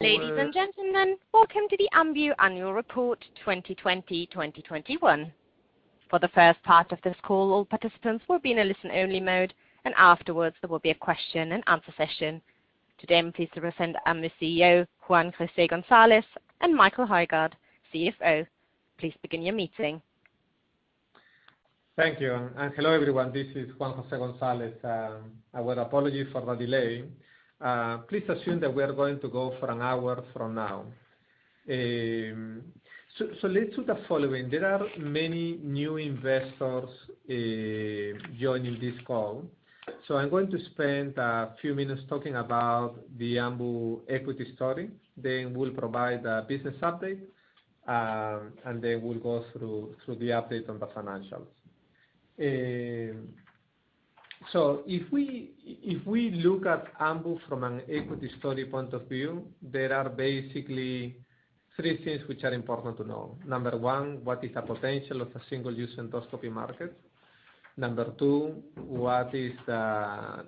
Ladies and gentlemen, welcome to the Ambu Annual Report 2020/2021. For the first part of this call, all participants will be in a listen-only mode, and afterwards there will be a question-and-answer session. Today, I'm pleased to present Ambu CEO, Juan Jose Gonzalez, and Michael Hojgaard, CFO. Please begin your meeting. Thank you, and hello, everyone. This is Juan Jose Gonzalez. Our apologies for the delay. Please assume that we are going to go for an hour from now. Let's do the following. There are many new investors joining this call, so I'm going to spend a few minutes talking about the Ambu equity story, then we'll provide a business update, and then we'll go through the update on the financials. If we look at Ambu from an equity story point of view, there are basically three things which are important to know. Number one, what is the potential of the single-use endoscopy market? Number two, what is the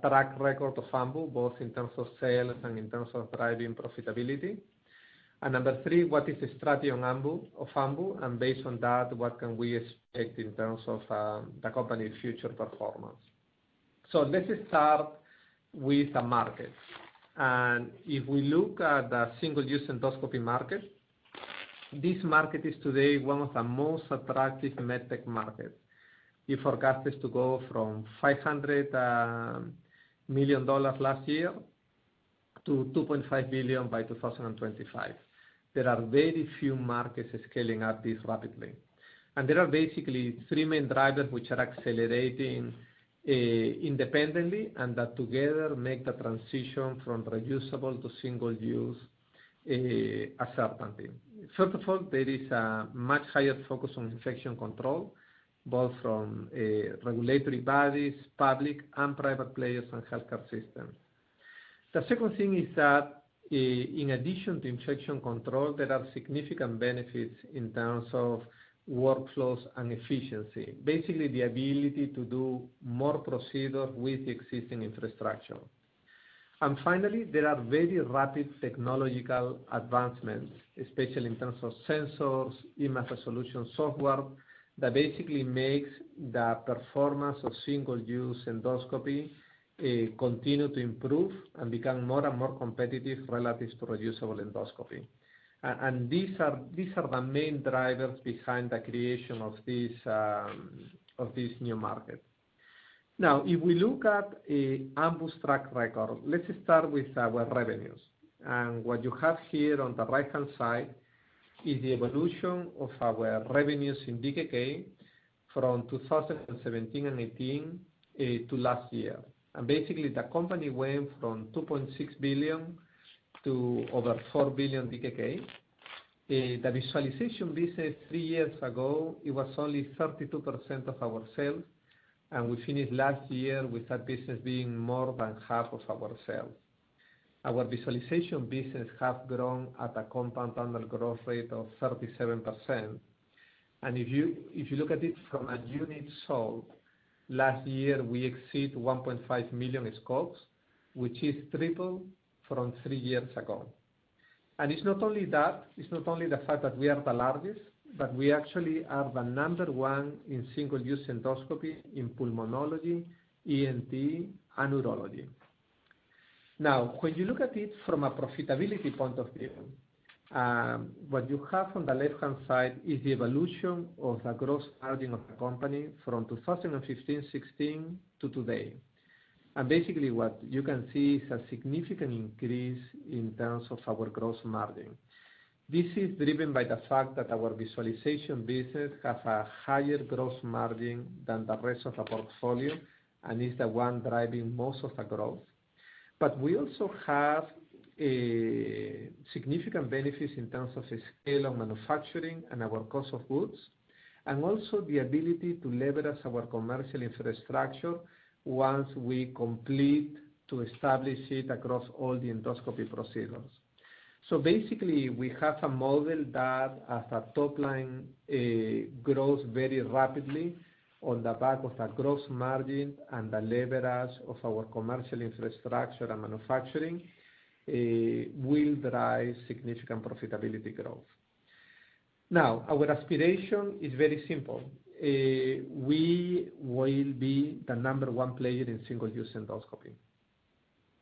track record of Ambu, both in terms of sales and in terms of driving profitability? And number three, what is the strategy of Ambu? Based on that, what can we expect in terms of the company's future performance? Let us start with the market. If we look at the single-use endoscopy market, this market is today one of the most attractive med tech markets. It forecasts to go from $500 million last year to $2.5 billion by 2025. There are very few markets scaling up this rapidly. There are basically three main drivers which are accelerating independently, and that together make the transition from reusable to single-use a certainty. First of all, there is a much higher focus on infection control, both from regulatory bodies, public and private players, and healthcare systems. The second thing is that in addition to infection control, there are significant benefits in terms of workflows and efficiency. Basically, the ability to do more procedures with existing infrastructure. Finally, there are very rapid technological advancements, especially in terms of sensors, image solution software, that basically makes the performance of single-use endoscopy continue to improve and become more and more competitive relative to reusable endoscopy. These are the main drivers behind the creation of this new market. Now, if we look at Ambu's track record, let's start with our revenues. What you have here on the right-hand side is the evolution of our revenues in DKK from 2017 and 2018 to last year. Basically, the company went from 2.6 billion to over 4 billion DKK. The visualization business three years ago, it was only 32% of our sales, and we finished last year with that business being more than half of our sales. Our visualization business have grown at a compound annual growth rate of 37%. If you look at it from a unit sold, last year, we exceed 1.5 million scopes, which is triple from three years ago. It's not only that, it's not only the fact that we are the largest, but we actually are the number one in single-use endoscopy in pulmonology, ENT, and urology. Now, when you look at it from a profitability point of view, what you have on the left-hand side is the evolution of the gross margin of the company from 2015-16 to today. Basically what you can see is a significant increase in terms of our gross margin. This is driven by the fact that our visualization business has a higher gross margin than the rest of the portfolio and is the one driving most of the growth. We also have significant benefits in terms of the scale of manufacturing and our cost of goods, and also the ability to leverage our commercial infrastructure once we commit to establishing it across all the endoscopy procedures. Basically, we have a model that as our top line grows very rapidly on the back of the gross margin and the leverage of our commercial infrastructure and manufacturing will drive significant profitability growth. Now, our aspiration is very simple. We will be the number one player in single-use endoscopy.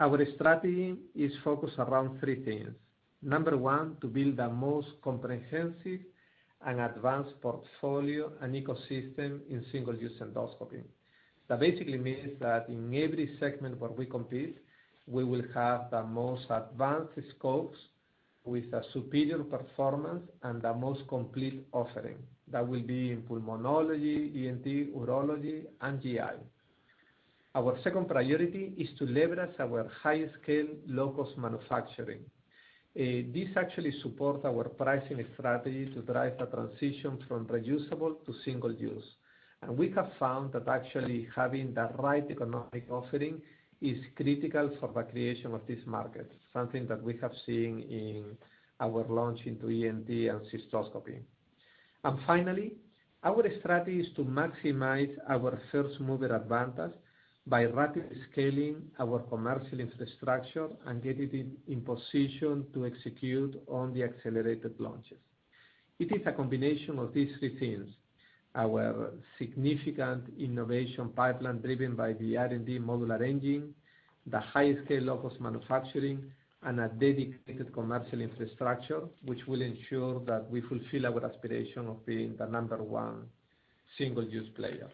Our strategy is focused around three things. Number one, to build the most comprehensive and advanced portfolio and ecosystem in single-use endoscopy. That basically means that in every segment where we compete, we will have the most advanced scopes with a superior performance and the most complete offering. That will be in pulmonology, ENT, urology, and GI. Our second priority is to leverage our high scale, low-cost manufacturing. This actually supports our pricing strategy to drive the transition from reusable to single-use. We have found that actually having the right economic offering is critical for the creation of this market, something that we have seen in our launch into ENT and cystoscopy. Finally, our strategy is to maximize our first mover advantage by rapidly scaling our commercial infrastructure and get it in position to execute on the accelerated launches. It is a combination of these three things, our significant innovation pipeline driven by the R&D modular engine, the highest scale low-cost manufacturing, and a dedicated commercial infrastructure, which will ensure that we fulfill our aspiration of being the number one single-use player.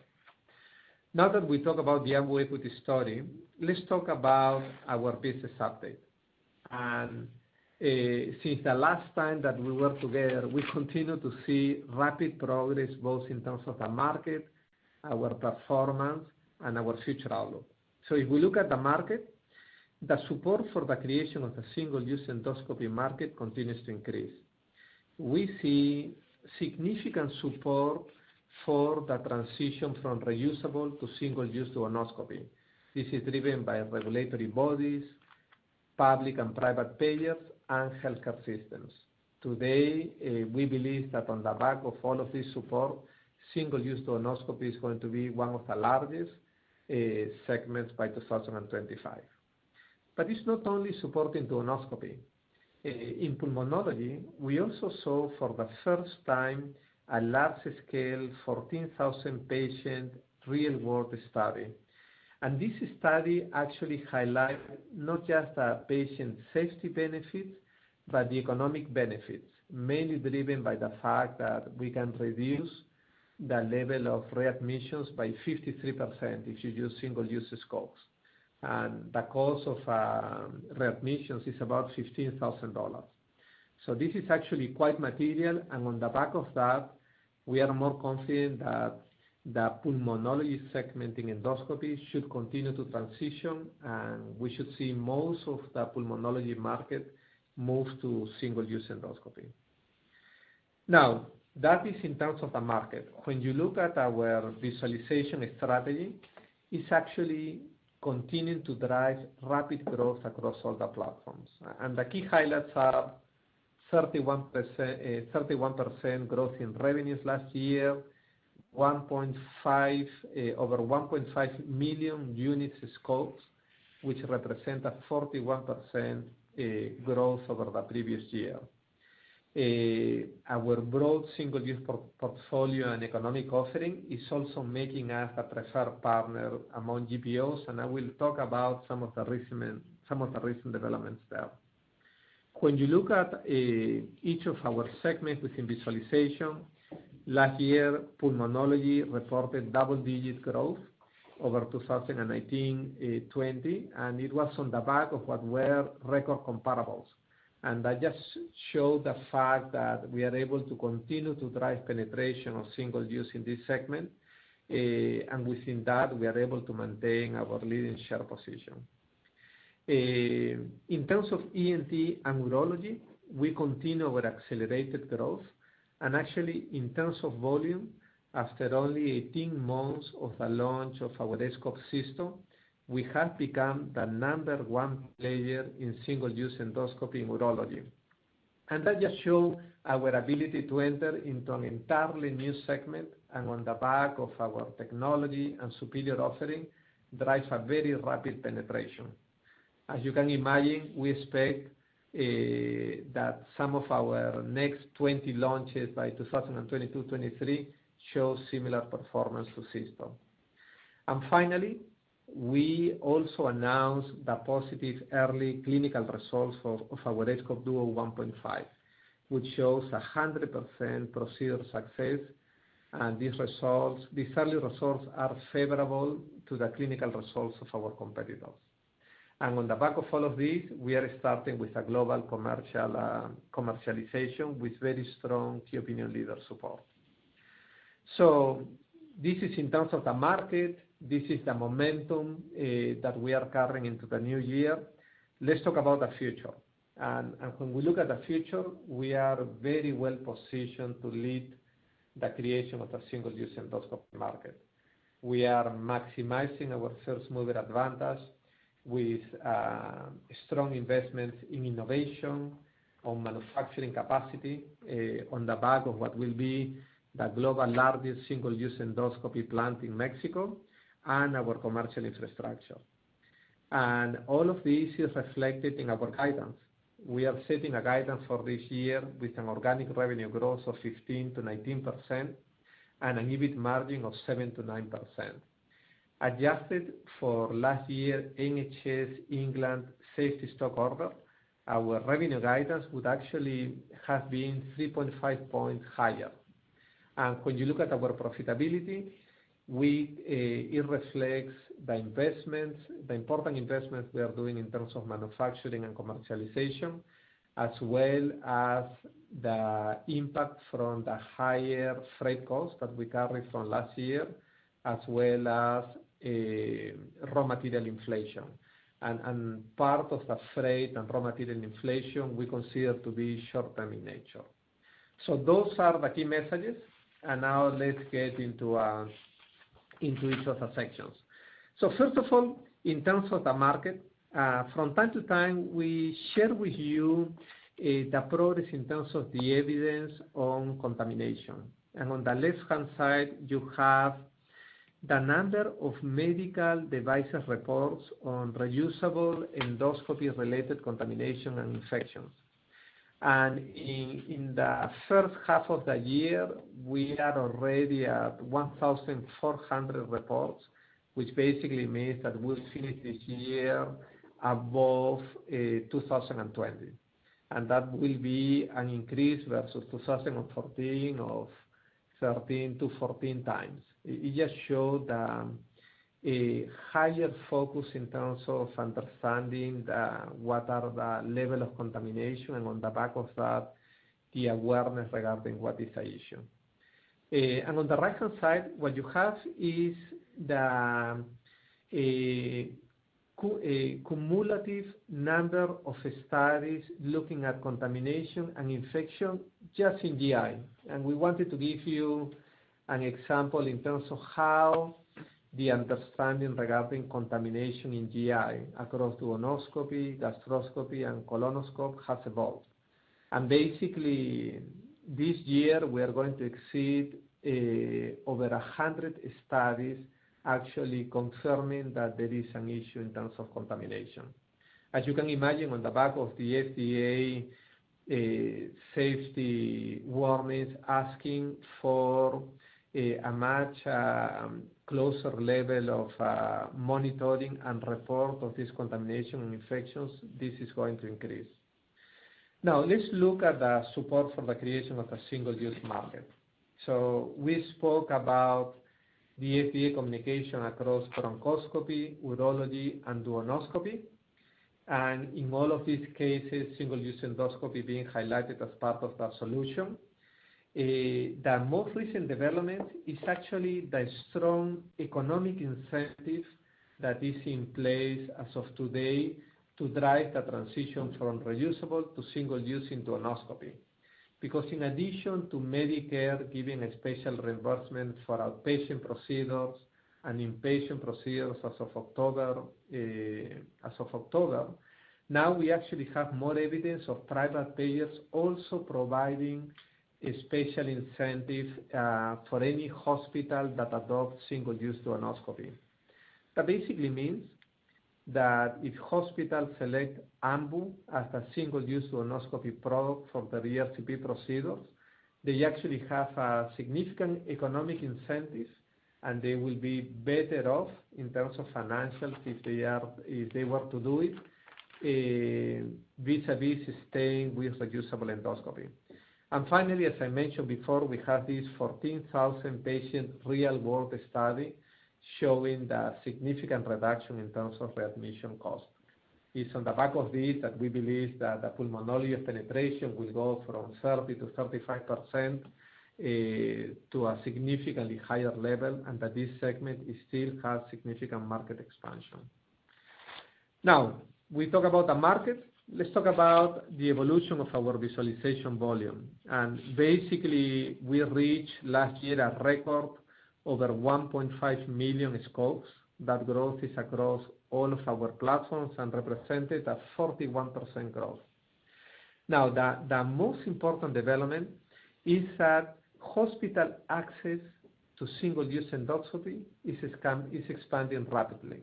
Now that we talk about the high equity story, let's talk about our business update. Since the last time that we were together, we continue to see rapid progress, both in terms of the market, our performance, and our future outlook. If we look at the market, the support for the creation of the single-use endoscopy market continues to increase. We see significant support for the transition from reusable to single-use endoscopy. This is driven by regulatory bodies, public and private payers, and healthcare systems. Today, we believe that on the back of all of this support, single-use endoscopy is going to be one of the largest segments by 2025. It's not only support in endoscopy. In pulmonology, we also saw for the first time a large scale 14,000 patient real world study. This study actually highlight not just the patient safety benefits, but the economic benefits, mainly driven by the fact that we can reduce the level of readmissions by 53% if you use single-use scopes. The cost of readmissions is about $15,000. This is actually quite material, and on the back of that, we are more confident that the pulmonology segment in endoscopy should continue to transition, and we should see most of the pulmonology market move to single-use endoscopy. Now, that is in terms of the market. When you look at our visualization strategy, it's actually continuing to drive rapid growth across all the platforms. The key highlights are 31% growth in revenues last year, over 1.5 million units scopes, which represent a 41% growth over the previous year. Our broad single-use portfolio and economic offering is also making us a preferred partner among GPOs, and I will talk about some of the recent developments there. When you look at each of our segments within visualization, last year, pulmonology reported double-digit growth over 2019 and 2020, and it was on the back of what were record comparables. That just shows the fact that we are able to continue to drive penetration of single-use in this segment, and within that, we are able to maintain our leading share position. In terms of ENT and urology, we continue our accelerated growth, and actually, in terms of volume, after only 18 months of the launch of our aScope system, we have become the number one player in single-use endoscopy in urology. That just shows our ability to enter into an entirely new segment, and on the back of our technology and superior offering, drives a very rapid penetration. As you can imagine, we expect that some of our next 20 launches by 2022, 2023 show similar performance to Cysto. Finally, we also announced the positive early clinical results of our aScope Duodeno 1.5, which shows 100% procedure success. These early results are favorable to the clinical results of our competitors. On the back of all of this, we are starting with a global commercialization with very strong key opinion leader support. This is in terms of the market. This is the momentum that we are carrying into the new year. Let's talk about the future. When we look at the future, we are very well positioned to lead the creation of the single-use endoscopy market. We are maximizing our first-mover advantage with strong investments in innovation, on manufacturing capacity, on the back of what will be the global largest single-use endoscopy plant in Mexico, and our commercial infrastructure. All of this is reflected in our guidance. We are setting a guidance for this year with an organic revenue growth of 15%-19% and an EBIT margin of 7%-9%. Adjusted for last year NHS England safety stock order, our revenue guidance would actually have been 3.5 points higher. When you look at our profitability, we, it reflects the investments, the important investments we are doing in terms of manufacturing and commercialization, as well as the impact from the higher freight costs that we carried from last year, as well as, raw material inflation. Part of the freight and raw material inflation we consider to be short-term in nature. Those are the key messages. Now let's get into each of the sections. First of all, in terms of the market, from time to time, we share with you the progress in terms of the evidence on contamination. On the left-hand side, you have the number of medical devices reports on reusable endoscopy-related contamination and infections. In the first half of the year, we are already at 1,400 reports, which basically means that we'll finish this year above 2020. That will be an increase versus 2014 of 13-14 times. It just show the a higher focus in terms of understanding the what are the level of contamination, and on the back of that, the awareness regarding what is at issue. On the right-hand side, what you have is the cumulative number of studies looking at contamination and infection just in GI. We wanted to give you an example in terms of how the understanding regarding contamination in GI across duodenoscopy, gastroscopy, and colonoscopy has evolved. Basically, this year we are going to exceed over 100 studies actually confirming that there is an issue in terms of contamination. As you can imagine, on the back of the FDA safety warning asking for a much closer level of monitoring and reporting of this contamination and infections, this is going to increase. Now, let's look at the support for the creation of a single-use market. We spoke about the FDA communication across bronchoscopy, urology, and duodenoscopy, and in all of these cases, single-use endoscopy being highlighted as part of the solution. The most recent development is actually the strong economic incentive that is in place as of today to drive the transition from reusable to single-use in duodenoscopy. Because in addition to Medicare giving a special reimbursement for outpatient procedures and inpatient procedures as of October, now we actually have more evidence of private payers also providing a special incentive for any hospital that adopts single-use duodenoscopy. That basically means that if hospitals select Ambu as the single-use duodenoscopy product for the ERCP procedures, they actually have a significant economic incentives, and they will be better off in terms of financials if they were to do it vis-a-vis staying with reusable endoscopy. Finally, as I mentioned before, we have this 14,000 patient real-world study showing the significant reduction in terms of readmission cost. It's on the back of this that we believe that the pulmonology penetration will go from 30%-35% to a significantly higher level, and that this segment still has significant market expansion. Now, we talk about the market. Let's talk about the evolution of our visualization volume. Basically, we reached last year a record over 1.5 million scopes. That growth is across all of our platforms and represented a 41% growth. The most important development is that hospital access to single-use endoscopy is expanding rapidly.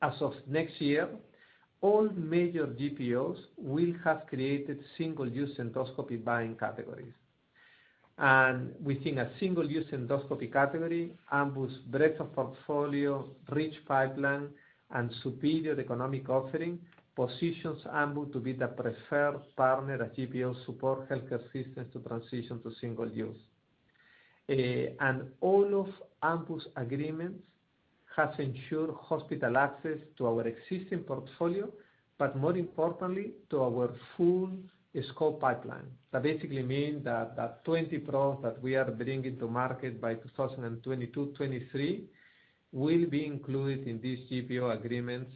As of next year, all major GPOs will have created single-use endoscopy buying categories. We think a single-use endoscopy category, Ambu's breadth of portfolio, rich pipeline, and superior economic offering positions Ambu to be the preferred partner as GPOs support healthcare systems to transition to single-use. All of Ambu's agreements has ensured hospital access to our existing portfolio, but more importantly, to our full scope pipeline. That basically mean that 20 products that we are bringing to market by 2022, 2023, will be included in these GPO agreements,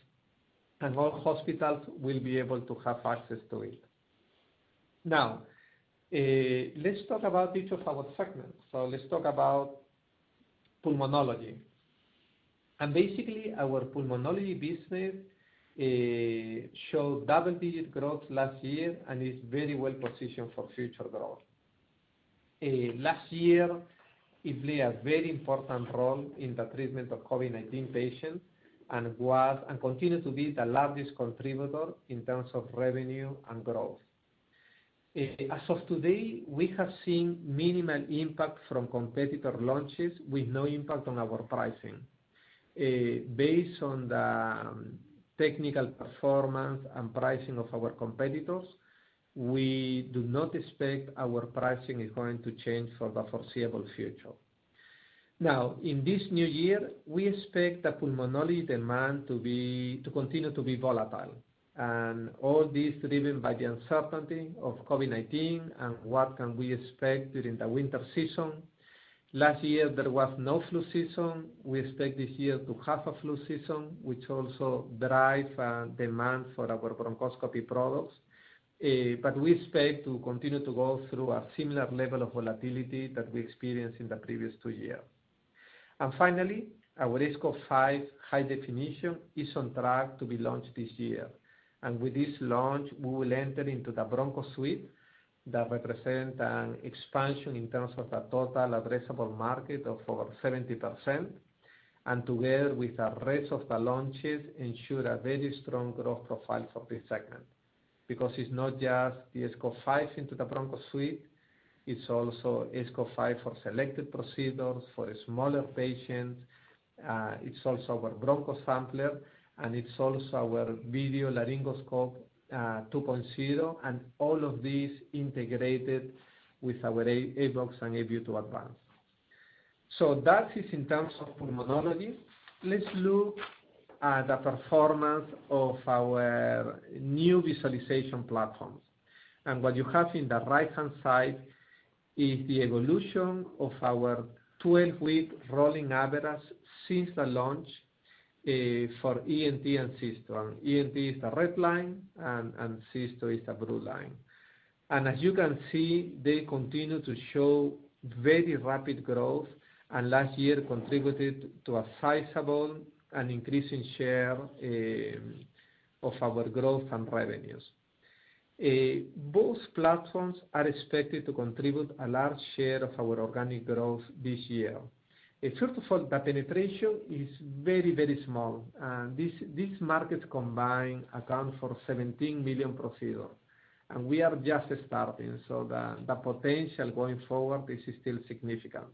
and all hospitals will be able to have access to it. Now, let's talk about each of our segments. Let's talk about pulmonology. Basically, our pulmonology business showed double-digit growth last year and is very well positioned for future growth. Last year, it played a very important role in the treatment of COVID-19 patients and continues to be the largest contributor in terms of revenue and growth. As of today, we have seen minimal impact from competitor launches with no impact on our pricing. Based on the technical performance and pricing of our competitors, we do not expect our pricing is going to change for the foreseeable future. Now, in this new year, we expect the pulmonology demand to continue to be volatile, and all this driven by the uncertainty of COVID-19 and what can we expect during the winter season. Last year, there was no flu season. We expect this year to have a flu season, which also drives demand for our bronchoscopy products. We expect to continue to go through a similar level of volatility that we experienced in the previous two year. Finally, our aScope 5 high definition is on track to be launched this year. With this launch, we will enter into the bronchoscopy suite that represent an expansion in terms of the total addressable market of over 70%. Together with the rest of the launches, ensure a very strong growth profile for the second. Because it's not just the aScope 5 into the bronchoscopy suite, it's also aScope 5 for selected procedures, for smaller patients, it's also our BronchoSampler, and it's also our video laryngoscope 2.0, and all of these integrated with our aBox and aView 2 Advance. That is in terms of pulmonology. Let's look at the performance of our new visualization platforms. What you have in the right-hand side is the evolution of our twelve-week rolling average since the launch for ENT and Cysto. ENT is the red line and Cysto is the blue line. As you can see, they continue to show very rapid growth, and last year contributed to a sizable and increasing share of our growth and revenues. Both platforms are expected to contribute a large share of our organic growth this year. First of all, the penetration is very, very small. These markets combined account for 17 million procedures, and we are just starting. The potential going forward is still significant.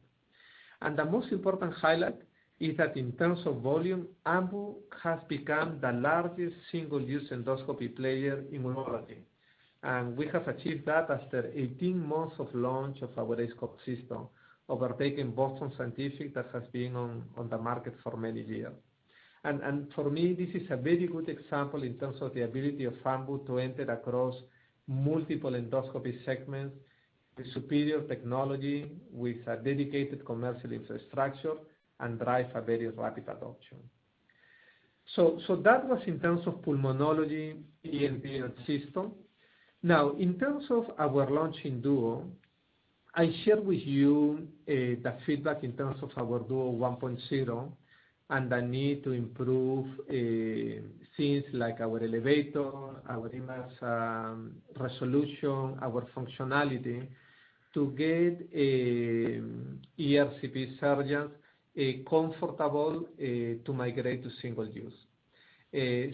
The most important highlight is that in terms of volume, Ambu has become the largest single-use endoscopy player in urology. We have achieved that after 18 months of launch of our aScope system, overtaking Boston Scientific that has been on the market for many years. For me, this is a very good example in terms of the ability of Ambu to enter across multiple endoscopy segments with superior technology, with a dedicated commercial infrastructure, and drive a very rapid adoption. That was in terms of pulmonology, ENT, and Cysto. Now, in terms of our launch in Duodeno, I share with you the feedback in terms of our aScope Duodeno 1.0 and the need to improve things like our elevator, our image resolution, our functionality to get an ERCP surgeon comfortable to migrate to single-use.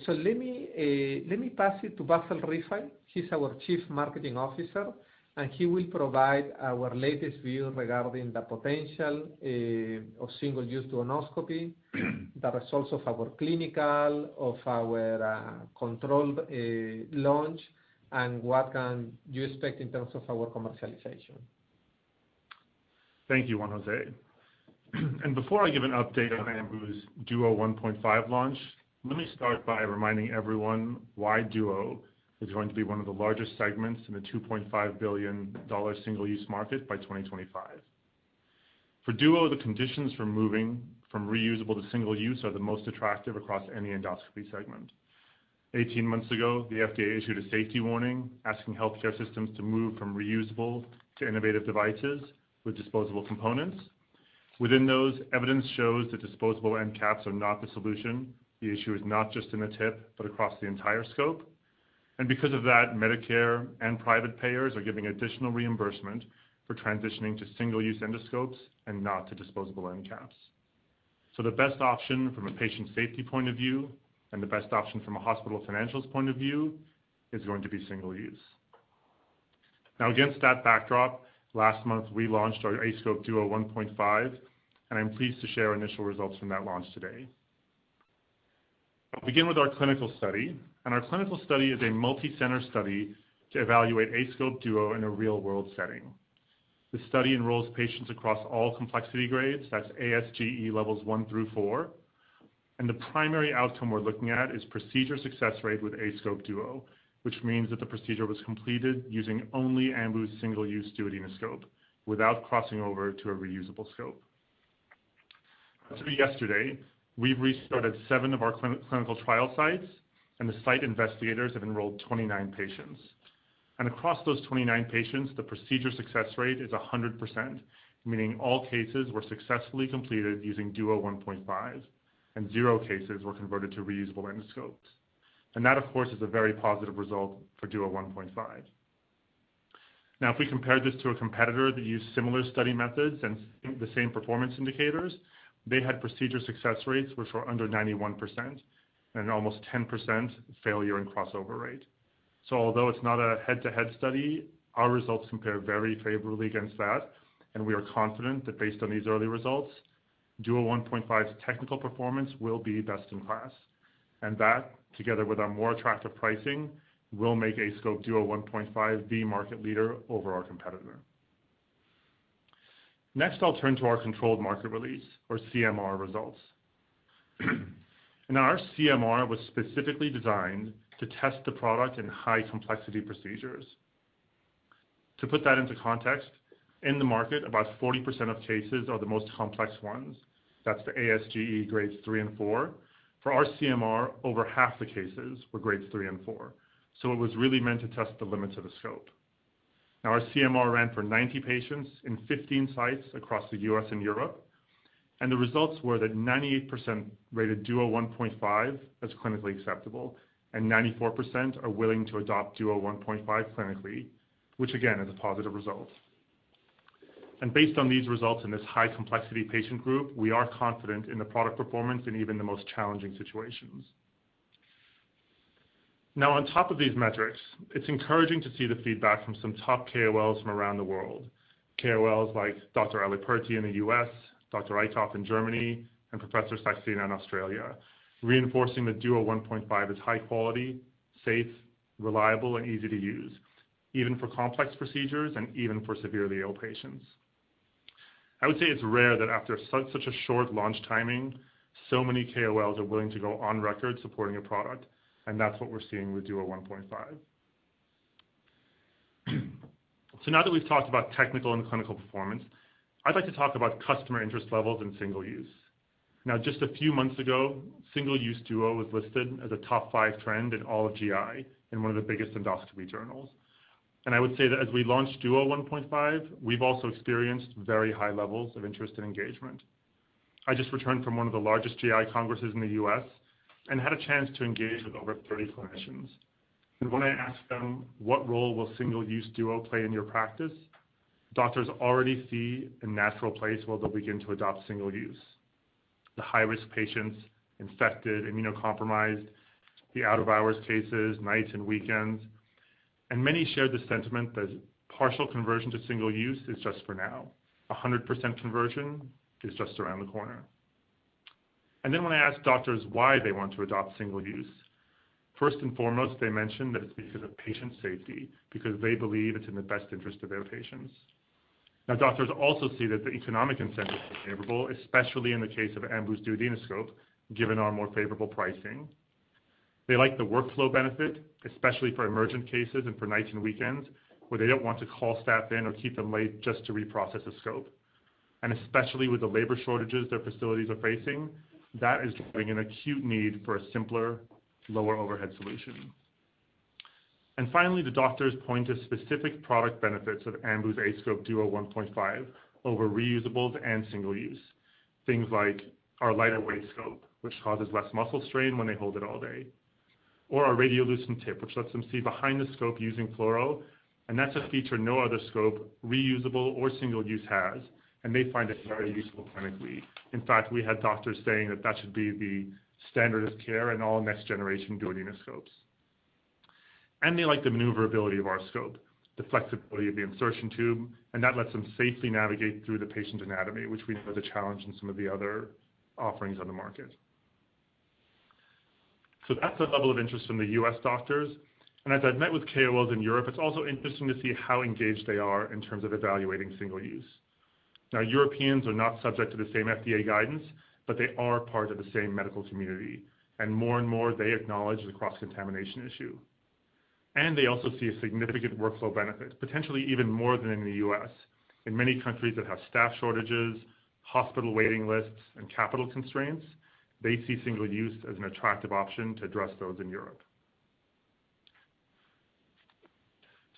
Let me pass it to Bassel Rifai. He's our Chief Marketing Officer, and he will provide our latest view regarding the potential of single-use duodenoscopy, the results of our clinical controlled launch, and what can you expect in terms of our commercialization. Thank you, Juan Jose. Before I give an update on Ambu's Duodeno 1.5 launch, let me start by reminding everyone why Duodeno is going to be one of the largest segments in the $2.5 billion single-use market by 2025. For Duodeno, the conditions for moving from reusable to single-use are the most attractive across any endoscopy segment. 18 months ago, the FDA issued a safety warning asking healthcare systems to move from reusable to innovative devices with disposable components. Within those, evidence shows that disposable end caps are not the solution. The issue is not just in the tip, but across the entire scope. Because of that, Medicare and private payers are giving additional reimbursement for transitioning to single-use endoscopes and not to disposable end caps. The best option from a patient safety point of view, and the best option from a hospital financials point of view is going to be single use. Now against that backdrop, last month, we launched our aScope Duodeno 1.5, and I'm pleased to share our initial results from that launch today. I'll begin with our clinical study, and our clinical study is a multicenter study to evaluate aScope Duodeno in a real-world setting. The study enrolls patients across all complexity grades, that's ASGE levels one through four. The primary outcome we're looking at is procedure success rate with aScope Duodeno, which means that the procedure was completed using only Ambu's single-use duodenoscope without crossing over to a reusable scope. As of yesterday, we've restarted seven of our clinical trial sites, and the site investigators have enrolled 29 patients. Across those 29 patients, the procedure success rate is 100%, meaning all cases were successfully completed using aScope Duodeno 1.5, and zero cases were converted to reusable endoscopes. That, of course, is a very positive result for aScope Duodeno 1.5. Now, if we compare this to a competitor that used similar study methods and the same performance indicators, they had procedure success rates which were under 91% and almost 10% failure in crossover rate. Although it's not a head-to-head study, our results compare very favorably against that, and we are confident that based on these early results, aScope Duodeno 1.5's technical performance will be best in class. That, together with our more attractive pricing, will make aScope Duodeno 1.5 the market leader over our competitor. Next, I'll turn to our controlled market release or CMR results. Now, our CMR was specifically designed to test the product in high-complexity procedures. To put that into context, in the market, about 40% of cases are the most complex ones. That's the ASGE grades 3 and 4. For our CMR, over half the cases were grades three and four, so it was really meant to test the limits of the scope. Now our CMR ran for 90 patients in 15 sites across the U.S. and Europe, and the results were that 98% rated Duodeno 1.5 as clinically acceptable, and 94% are willing to adopt Duodeno 1.5 clinically, which again, is a positive result. Based on these results in this high complexity patient group, we are confident in the product performance in even the most challenging situations. Now on top of these metrics, it's encouraging to see the feedback from some top KOLs from around the world. KOLs like Dr. Aliperti in the U.S., Dr. Itoi in Germany, and Professor Saxena in Australia, reinforcing the aScope Duodeno 1.5 is high quality, safe, reliable, and easy to use, even for complex procedures and even for severely ill patients. I would say it's rare that after such a short launch timing, so many KOLs are willing to go on record supporting a product, and that's what we're seeing with aScope Duodeno 1.5. Now that we've talked about technical and clinical performance, I'd like to talk about customer interest levels in single-use. Now, just a few months ago, single-use Duodeno was listed as a top five trend in all of GI in one of the biggest endoscopy journals. I would say that as we launch aScope Duodeno 1.5, we've also experienced very high levels of interest and engagement. I just returned from one of the largest GI congresses in the U.S. and had a chance to engage with over 30 clinicians. When I asked them, "What role will single-use aScope Duodeno play in your practice?" Doctors already see a natural place where they'll begin to adopt single-use. The high-risk patients, infected, immunocompromised, the out-of-hours cases, nights and weekends. Many shared the sentiment that partial conversion to single-use is just for now. 100% conversion is just around the corner. Then when I asked doctors why they want to adopt single-use, first and foremost, they mentioned that it's because of patient safety, because they believe it's in the best interest of their patients. Now, doctors also see that the economic incentives are favorable, especially in the case of Ambu's duodenoscope, given our more favorable pricing. They like the workflow benefit, especially for emergent cases and for nights and weekends where they don't want to call staff in or keep them late just to reprocess a scope. Especially with the labor shortages their facilities are facing, that is driving an acute need for a simpler, lower overhead solution. Finally, the doctors point to specific product benefits of Ambu's aScope Duodeno 1.5 over reusables and single-use. Things like our lighter weight scope, which causes less muscle strain when they hold it all day. Our radiolucent tip, which lets them see behind the scope using fluoro. That's a feature no other scope, reusable or single-use, has, and they find it very useful clinically. In fact, we had doctors saying that that should be the standard of care in all next generation duodenoscopes. They like the maneuverability of our scope, the flexibility of the insertion tube, and that lets them safely navigate through the patient's anatomy, which we know is a challenge in some of the other offerings on the market. That's the level of interest from the U.S. doctors. As I've met with KOLs in Europe, it's also interesting to see how engaged they are in terms of evaluating single-use. Now, Europeans are not subject to the same FDA guidance, but they are part of the same medical community, and more and more, they acknowledge the cross-contamination issue. They also see a significant workflow benefit, potentially even more than in the U.S. In many countries that have staff shortages, hospital waiting lists, and capital constraints, they see single-use as an attractive option to address those in Europe.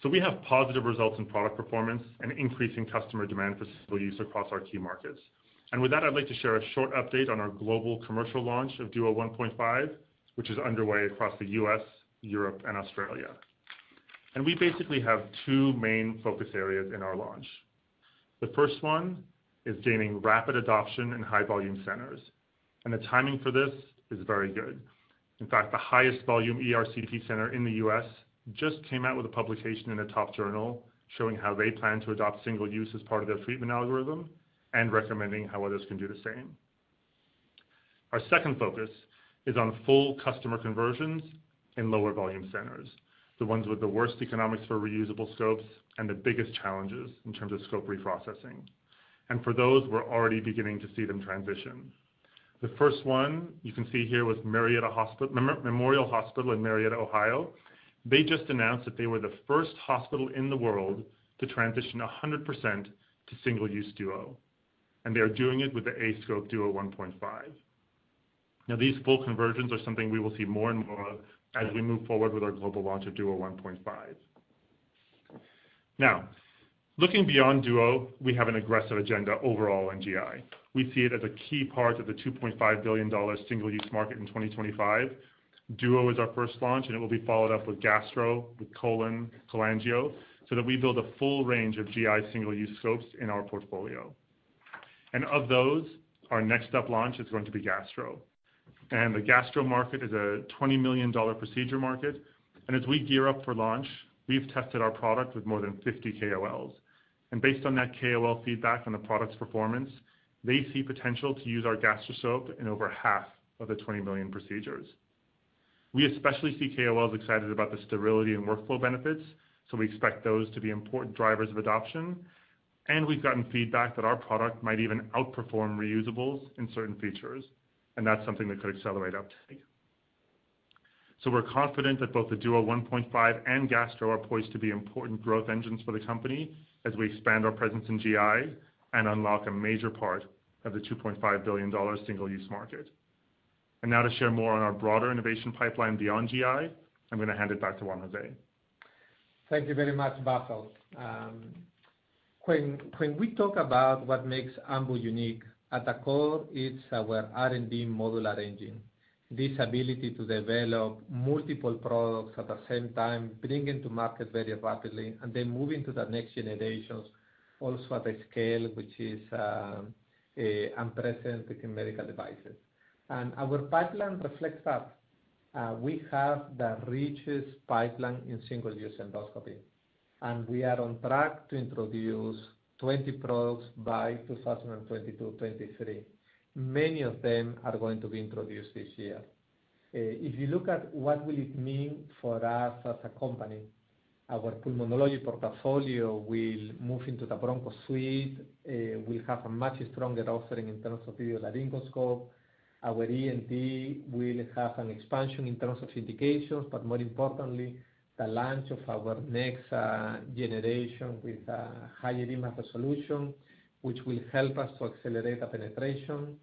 We have positive results in product performance and increasing customer demand for single-use across our key markets. With that, I'd like to share a short update on our global commercial launch of aScope Duodeno 1.5, which is underway across the U.S., Europe, and Australia. We basically have two main focus areas in our launch. The first one is gaining rapid adoption in high volume centers. The timing for this is very good. In fact, the highest volume ERCP center in the U.S. just came out with a publication in a top journal showing how they plan to adopt single-use as part of their treatment algorithm and recommending how others can do the same. Our second focus is on full customer conversions in lower volume centers, the ones with the worst economics for reusable scopes and the biggest challenges in terms of scope reprocessing. For those, we're already beginning to see them transition. The first one you can see here was Memorial Hospital in Marietta, Ohio. They just announced that they were the first hospital in the world to transition 100% to single-use Duo, and they are doing it with the aScope Duo 1.5. Now these full conversions are something we will see more and more of as we move forward with our global launch of Duo 1.5. Now, looking beyond Duo, we have an aggressive agenda overall in GI. We see it as a key part of the $2.5 billion single-use market in 2025. Duodeno is our first launch, and it will be followed up with Gastro, with Colon, Cholangio, so that we build a full range of GI single-use scopes in our portfolio. Of those, our next -up launch is going to be Gastro. The Gastro market is a $20 million procedure market. As we gear up for launch, we've tested our product with more than 50 KOLs. Based on that KOL feedback on the product's performance, they see potential to use our Gastro scope in over half of the 20 million procedures. We especially see KOLs excited about the sterility and workflow benefits, so we expect those to be important drivers of adoption. We've gotten feedback that our product might even outperform reusables in certain features, and that's something that could accelerate uptake. We're confident that both the aScope Duodeno 1.5 and aScope Gastro are poised to be important growth engines for the company as we expand our presence in GI and unlock a major part of the $2.5 billion single-use market. Now to share more on our broader innovation pipeline beyond GI, I'm gonna hand it back to Juan Jose Gonzalez. Thank you very much, Bassel. When we talk about what makes Ambu unique, at the core, it's our R&D modular engine. This ability to develop multiple products at the same time, bring into market very rapidly, and then move into the next generations, also at a scale which is unprecedented in medical devices. Our pipeline reflects that. We have the richest pipeline in single-use endoscopy, and we are on track to introduce 20 products by 2022, 2023. Many of them are going to be introduced this year. If you look at what will it mean for us as a company, our pulmonology portfolio will move into the bronchoscopy suite. We have a much stronger offering in terms of video laryngoscope. Our ENT will have an expansion in terms of indications, but more importantly, the launch of our next generation with a high definition solution, which will help us to accelerate the penetration.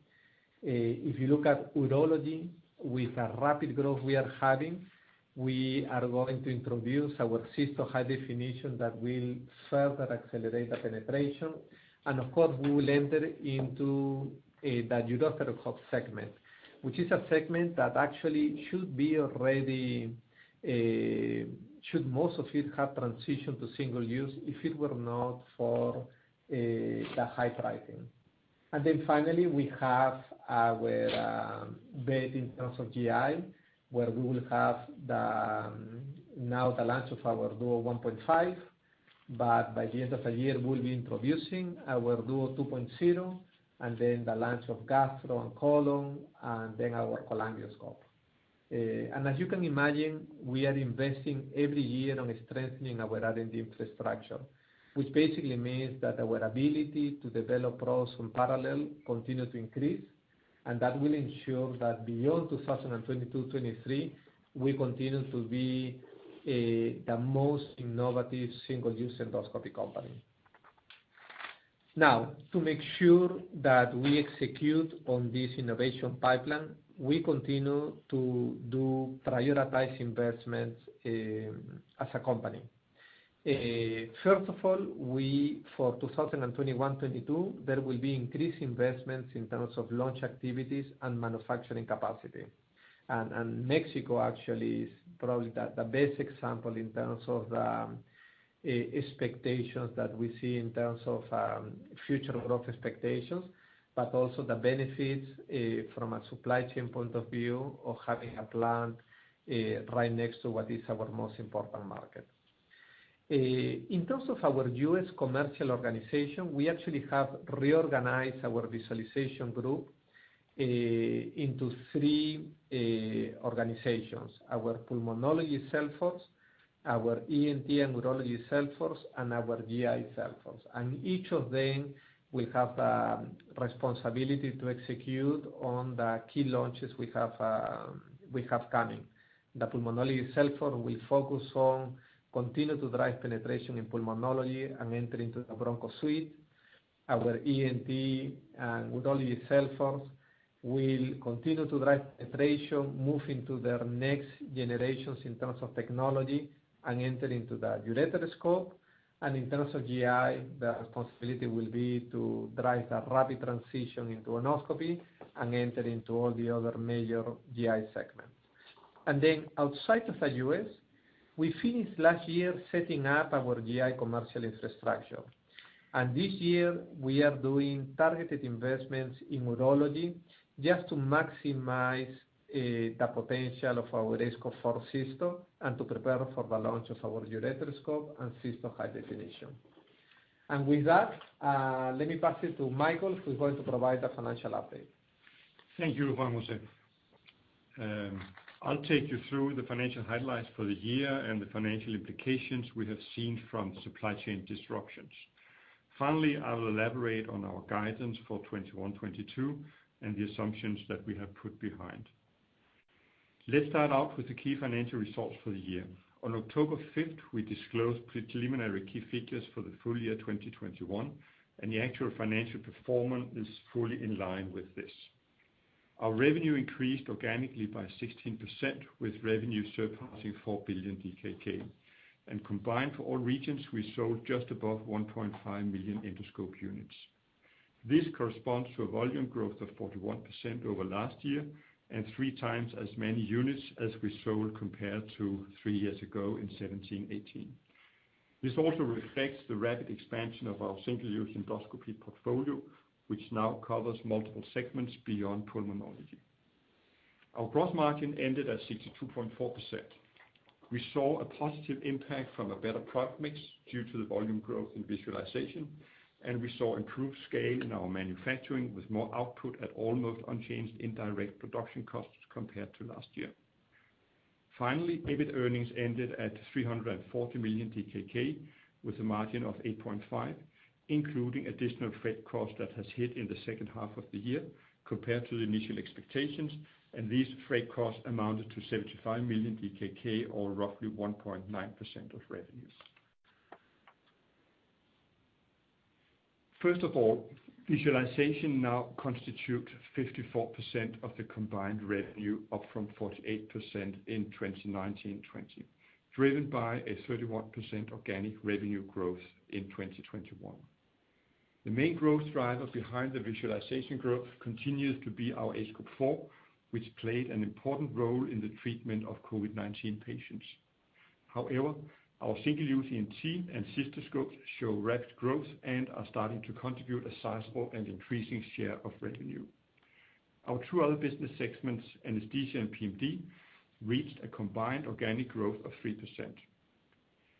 If you look at urology, with the rapid growth we are having, we are going to introduce our high definition system that will further accelerate the penetration. Of course, we will enter into the ureteroscope segment, which is a segment that actually most of it should have transitioned to single use if it were not for the high pricing. Finally, we have our bet in terms of GI, where we will have now the launch of our Duodeno 1.5, but by the end of the year, we'll be introducing our Duodeno 2.0 and then the launch of Gastro and Colon, and then our colonoscope. As you can imagine, we are investing every year on strengthening our R&D infrastructure, which basically means that our ability to develop products in parallel continue to increase, and that will ensure that beyond 2022, 2023, we continue to be the most innovative single-use endoscopy company. Now, to make sure that we execute on this innovation pipeline, we continue to do prioritized investments as a company. First of all, for 2021, 2022, there will be increased investments in terms of launch activities and manufacturing capacity. Mexico actually is probably the best example in terms of expectations that we see in terms of future growth expectations, but also the benefits from a supply chain point of view of having a plant right next to what is our most important market. In terms of our U.S. commercial organization, we actually have reorganized our visualization group into three organizations, our pulmonology sales force, our ENT and urology sales force, and our GI sales force. Each of them will have responsibility to execute on the key launches we have coming. The pulmonology sales force will focus on continue to drive penetration in pulmonology and enter into the bronchoscopy suite. Our ENT and urology sales force will continue to drive penetration, move into their next generations in terms of technology, and enter into the ureteroscope. In terms of GI, the responsibility will be to drive the rapid transition into endoscopy and enter into all the other major GI segments. Then outside of the U.S., we finished last year setting up our GI commercial infrastructure. This year, we are doing targeted investments in urology just to maximize the potential of our aScope 4 system and to prepare for the launch of our ureteroscope and system high definition. With that, let me pass it to Michael, who's going to provide the financial update. Thank you, Juan Jose Gonzalez. I'll take you through the financial highlights for the year and the financial implications we have seen from supply chain disruptions. Finally, I will elaborate on our guidance for 2021, 2022 and the assumptions that we have put behind. Let's start out with the key financial results for the year. On October 5, we disclosed preliminary key figures for the full-year 2021, and the actual financial performance is fully in line with this. Our revenue increased organically by 16%, with revenue surpassing 4 billion DKK. Combined for all regions, we sold just above 1.5 million endoscope units. This corresponds to a volume growth of 41% over last year and 3x as many units as we sold compared to three years ago in 2017, 2018. This also reflects the rapid expansion of our single-use endoscopy portfolio, which now covers multiple segments beyond pulmonology. Our gross margin ended at 62.4%. We saw a positive impact from a better product mix due to the volume growth in visualization, and we saw improved scale in our manufacturing with more output at almost unchanged indirect production costs compared to last year. Finally, EBIT earnings ended at 340 million with a margin of 8.5%, including additional freight costs that has hit in the second half of the year compared to the initial expectations, and these freight costs amounted to 75 million DKK or roughly 1.9% of revenues. First of all, visualization now constitutes 54% of the combined revenue, up from 48% in 2019, 2020, driven by a 31% organic revenue growth in 2021. The main growth driver behind the visualization growth continues to be our aScope 4, which played an important role in the treatment of COVID-19 patients. However, our single-use ENT and cystoscopes show rapid growth and are starting to contribute a sizable and increasing share of revenue. Our two other business segments, anesthesia and PMD, reached a combined organic growth of 3%.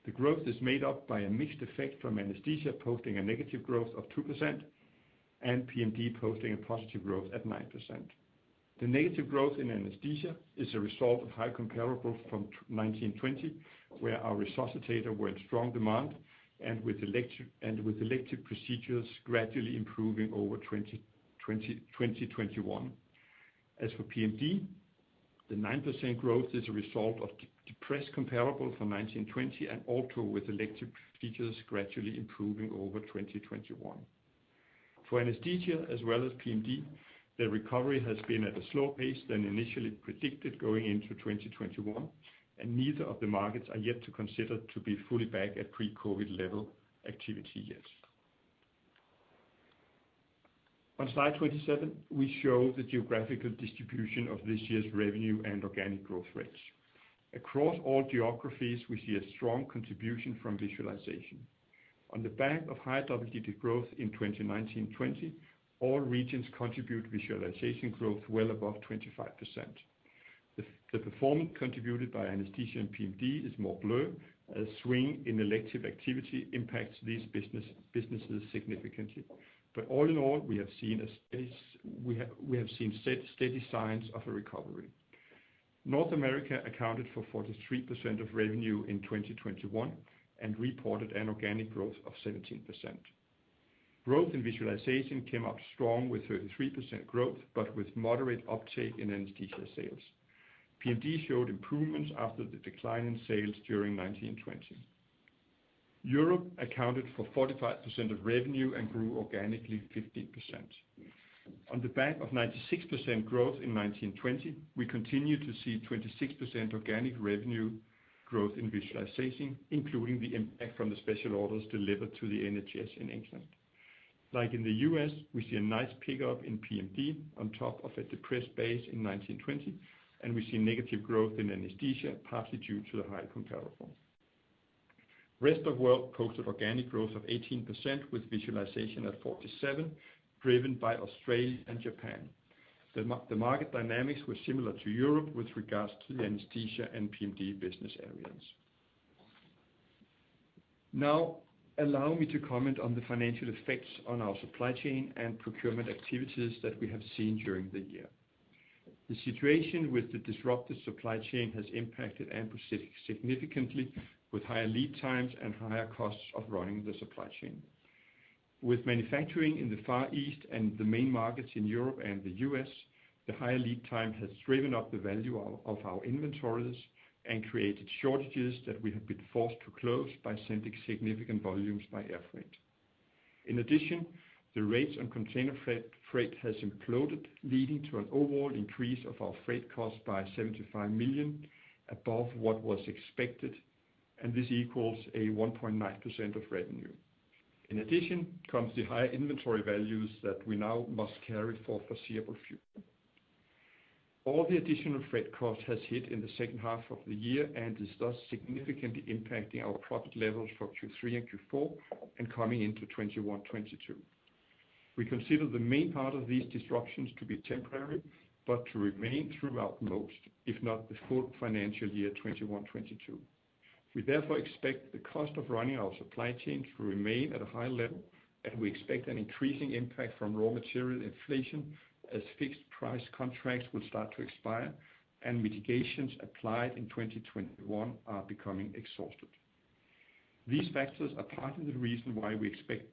The growth is made up by a mixed effect from anesthesia posting a negative growth of 2% and PMD posting a positive growth at 9%. The negative growth in anesthesia is a result of high comparable from 2020, where our resuscitator were in strong demand and with elective procedures gradually improving over 2020-2021. As for PMD, the 9% growth is a result of depressed comparable for 2020 and also with elective procedures gradually improving over 2021. For anesthesia as well as PMD, the recovery has been at a slower pace than initially predicted going into 2021, and neither of the markets are yet considered to be fully back at pre-COVID level activity yet. On slide 27, we show the geographical distribution of this year's revenue and organic growth rates. Across all geographies, we see a strong contribution from visualization. On the back of high double-digit growth in 2019, 2020, all regions contribute visualization growth well above 25%. The performance contributed by anesthesia and PMD is more blurred, as swings in elective activity impacts these businesses significantly. All in all, we have seen steady signs of a recovery. North America accounted for 43% of revenue in 2021 and reported an organic growth of 17%. Growth in visualization came up strong with 33% growth, but with moderate uptake in anesthesia sales. PMD showed improvements after the decline in sales during 2020. Europe accounted for 45% of revenue and grew organically 15%. On the back of 96% growth in 2020, we continue to see 26% organic revenue growth in visualization, including the impact from the special orders delivered to the NHS in England. Like in the U.S., we see a nice pickup in PMD on top of a depressed base in 2020, and we see negative growth in anesthesia, partly due to the high comparable. Rest of world posted organic growth of 18% with visualization at 47%, driven by Australia and Japan. The market dynamics were similar to Europe with regards to the anesthesia and PMD business areas. Now, allow me to comment on the financial effects on our supply chain and procurement activities that we have seen during the year. The situation with the disrupted supply chain has impacted Ambu significantly with higher lead times and higher costs of running the supply chain. With manufacturing in the Far East and the main markets in Europe and the U.S., the higher lead time has driven up the value of our inventories and created shortages that we have been forced to close by sending significant volumes by air freight. In addition, the rates on container freight has imploded, leading to an overall increase of our freight costs by 75 million above what was expected, and this equals 1.9% of revenue. In addition, comes the higher inventory values that we now must carry for foreseeable future. All the additional freight cost has hit in the second half of the year and is thus significantly impacting our profit levels for Q3 and Q4 and coming into 2021, 2022. We consider the main part of these disruptions to be temporary, but to remain throughout most, if not the full financial year 2021, 2022. We therefore expect the cost of running our supply chain to remain at a high level, and we expect an increasing impact from raw material inflation as fixed price contracts will start to expire and mitigations applied in 2021 are becoming exhausted. These factors are part of the reason why we expect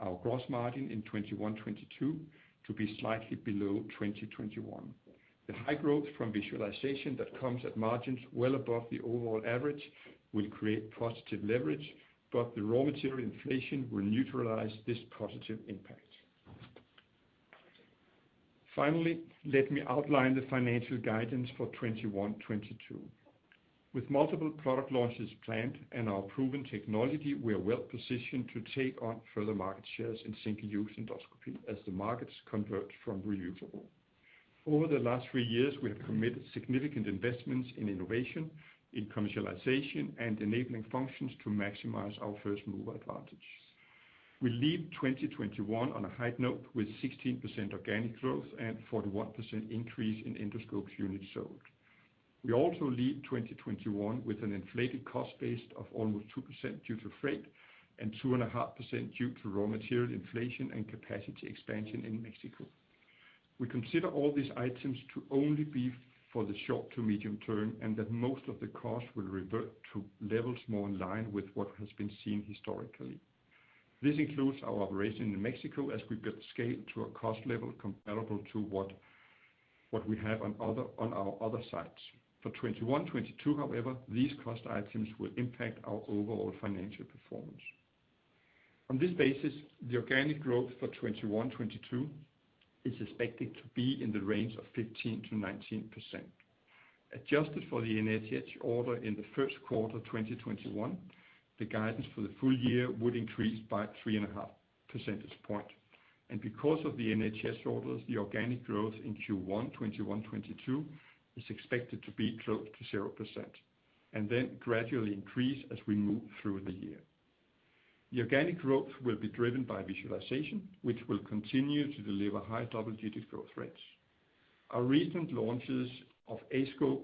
our gross margin in 2021, 2022 to be slightly below 2021. The high growth from visualization that comes at margins well above the overall average will create positive leverage, but the raw material inflation will neutralize this positive impact. Finally, let me outline the financial guidance for 2021, 2022. With multiple product launches planned and our proven technology, we are well positioned to take on further market shares in single-use endoscopy as the markets convert from reusable. Over the last three years, we have committed significant investments in innovation, in commercialization and enabling functions to maximize our first-mover advantage. We leave 2021 on a high note with 16% organic growth and 41% increase in endoscopes units sold. We also leave 2021 with an inflated cost base of almost 2% due to freight and 2.5% due to raw material inflation and capacity expansion in Mexico. We consider all these items to only be for the short to medium term, and that most of the costs will revert to levels more in line with what has been seen historically. This includes our operation in Mexico as we get scaled to a cost level comparable to what we have on our other sites. For 2021-2022 however, these cost items will impact our overall financial performance. On this basis, the organic growth for 2021-2022 is expected to be in the range of 15%-19%. Adjusted for the NHS order in the first quarter 2021, the guidance for the full-year would increase by 3.5 percentage point. Because of the NHS orders, the organic growth in Q1 2021-2022 is expected to be close to 0% and then gradually increase as we move through the year. The organic growth will be driven by visualization, which will continue to deliver high double-digit growth rates. Our recent launches of aScope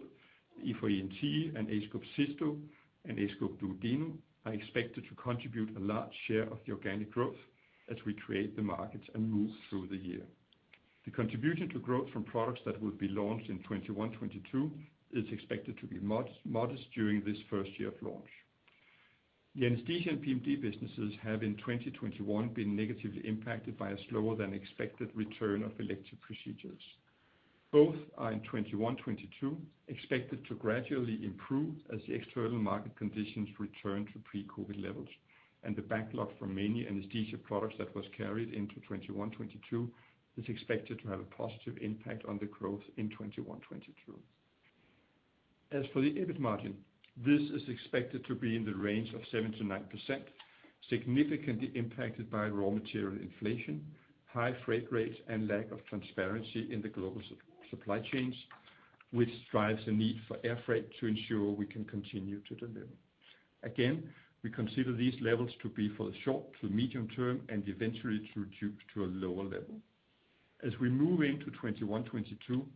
4 ENT, aScope Cysto, and aScope Duodeno are expected to contribute a large share of the organic growth as we create the markets and move through the year. The contribution to growth from products that will be launched in 2021, 2022 is expected to be modest during this first year of launch. The anesthesia and PMD businesses have in 2021 been negatively impacted by a slower than expected return of elective procedures. Both are in 2021, 2022 expected to gradually improve as the external market conditions return to pre-COVID levels. The backlog from many anesthesia products that was carried into 2021, 2022 is expected to have a positive impact on the growth in 2021, 2022. As for the EBIT margin, this is expected to be in the range of 7%-9%, significantly impacted by raw material inflation, high freight rates, and lack of transparency in the global supply chains, which drives the need for air freight to ensure we can continue to deliver. Again, we consider these levels to be for the short to medium term and eventually to reduce to a lower level. As we move into 2021, 2022,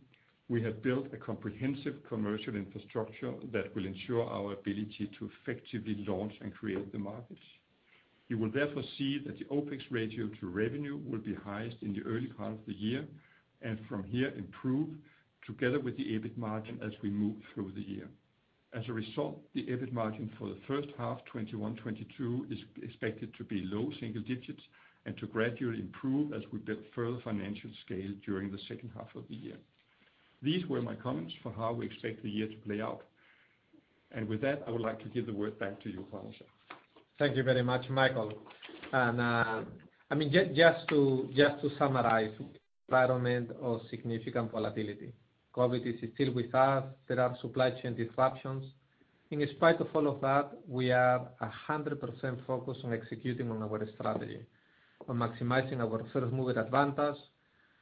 we have built a comprehensive commercial infrastructure that will ensure our ability to effectively launch and create the markets. You will therefore see that the OpEx ratio to revenue will be highest in the early part of the year, and from here improve together with the EBIT margin as we move through the year. As a result, the EBIT margin for the first half 2021-2022 is expected to be low single digits% and to gradually improve as we build further financial scale during the second half of the year. These were my comments for how we expect the year to play out. With that, I would like to give the word back to you, Juan Jose Gonzalez. Thank you very much, Michael. To summarize, environment of significant volatility. COVID is still with us. There are supply chain disruptions. In spite of all of that, we are 100% focused on executing on our strategy, on maximizing our first-mover advantage,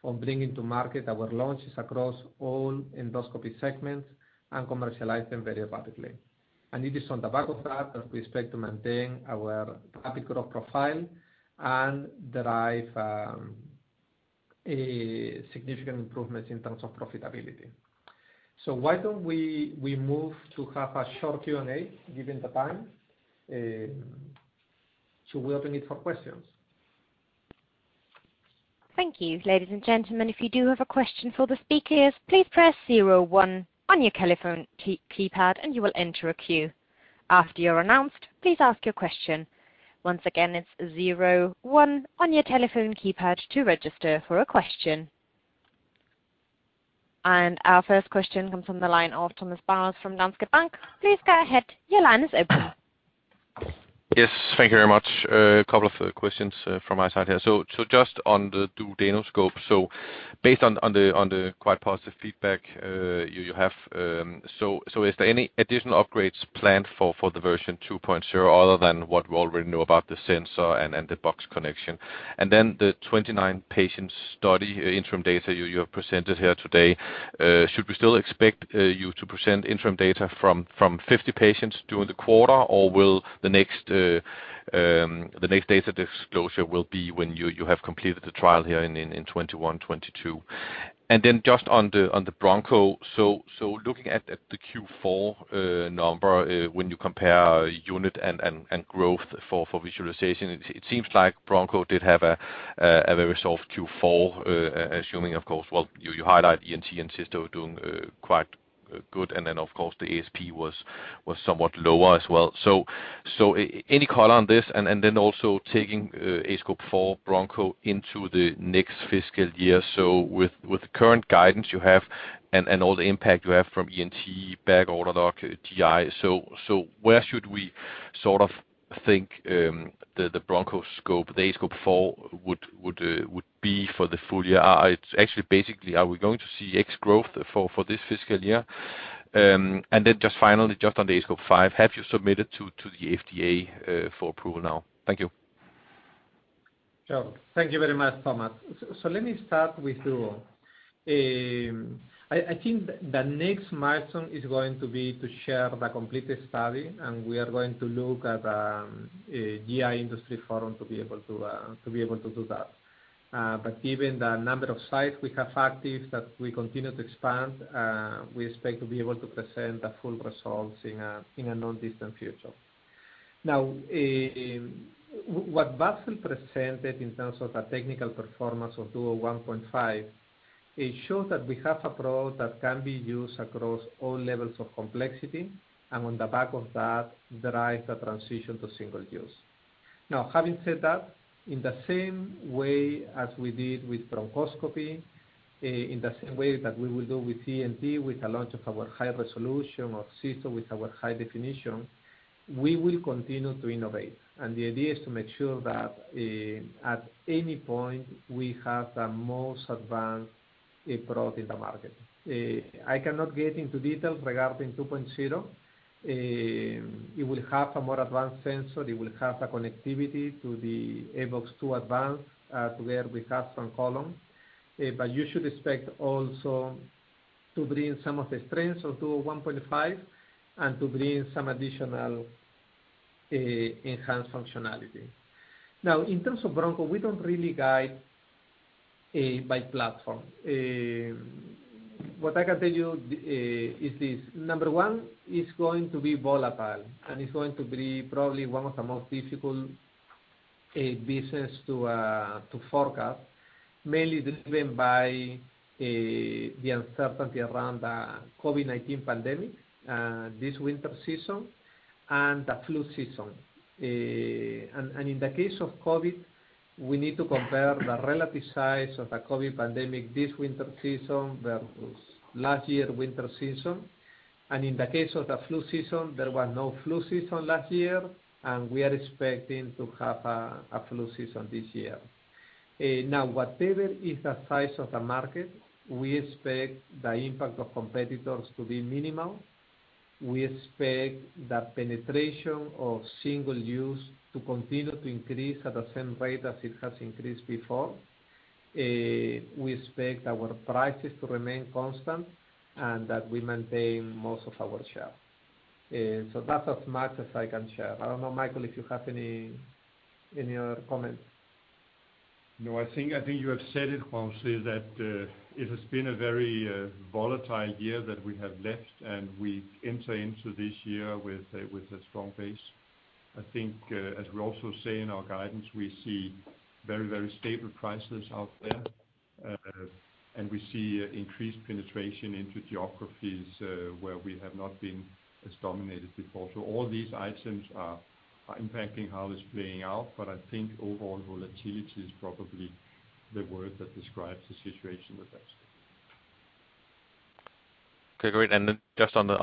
on bringing to market our launches across all endoscopy segments and commercialize them very rapidly. It is on the back of that we expect to maintain our rapid growth profile and derive significant improvements in terms of profitability. Why don't we move to have a short Q&A given the time? We open it for questions. Thank you. Ladies and gentlemen, if you do have a question for the speakers, please press zero one on your telephone key, keypad, and you will enter a queue. After you're announced, please ask your question. Once again, it's zero one on your telephone keypad to register for a question. Our first question comes from the line of Thomas Bowers from Danske Bank. Please go ahead. Your line is open. Yes, thank you very much. A couple of questions from my side here. Just on the duodenoscope. Based on the quite positive feedback you have, is there any additional upgrades planned for the version 2.0 other than what we already know about the sensor and the box connection? Then the 29-patient study interim data you have presented here today, should we still expect you to present interim data from 50 patients during the quarter? Or will the next data disclosure be when you have completed the trial here in 2021, 2022? Then just on the broncho. Looking at the Q4 number, when you compare unit and growth for visualization, it seems like broncho did have a very soft Q4, assuming of course. Well, you highlight ENT and Cysto doing quite good. Then of course the ASP was somewhat lower as well. Any call on this? Then also taking aScope 4 broncho into the next fiscal year. With the current guidance you have and all the impact you have from ENT, back order log, GI. Where should we sort of think the bronchoscope, the aScope 4 would be for the full-year? It's actually basically, are we going to see X growth for this fiscal year? Just finally, just on the aScope 5, have you submitted to the FDA for approval now? Thank you. Sure. Thank you very much, Thomas. Let me start with Duodeno. I think the next milestone is going to be to share the completed study, and we are going to look at a GI industry forum to be able to do that. But given the number of sites we have active that we continue to expand, we expect to be able to present the full results in a non-distant future. What Bassel presented in terms of the technical performance of aScope Duodeno 1.5, it shows that we have a product that can be used across all levels of complexity and on the back of that derive the transition to single-use. Having said that, in the same way as we did with bronchoscopy, in the same way that we will do with ENT, with the launch of our high resolution aScope system with our high definition, we will continue to innovate. The idea is to make sure that at any point, we have the most advanced product in the market. I cannot get into details regarding 2.0. It will have a more advanced sensor. It will have a connectivity to the aView 2 Advance, to where we have some color. You should expect also to bring some of the strengths of 2.0 1.5 and to bring some additional enhanced functionality. Now, in terms of broncho, we don't really guide by platform. What I can tell you is this. Number one, it's going to be volatile, and it's going to be probably one of the most difficult business to forecast, mainly driven by the uncertainty around the COVID-19 pandemic this winter season and the flu season. In the case of COVID, we need to compare the relative size of the COVID pandemic this winter season versus last year winter season. In the case of the flu season, there was no flu season last year, and we are expecting to have a flu season this year. Now, whatever is the size of the market, we expect the impact of competitors to be minimal. We expect the penetration of single-use to continue to increase at the same rate as it has increased before. We expect our prices to remain constant and that we maintain most of our share. That's as much as I can share. I don't know, Michael, if you have any other comments. No, I think you have said it, Juan, that it has been a very volatile year that we have left, and we enter into this year with a strong base. I think as we also say in our guidance, we see very, very stable prices out there, and we see increased penetration into geographies where we have not been as dominated before. So all these items are impacting how it's playing out. I think overall volatility is probably the word that describes the situation the best. Okay, great. Just on the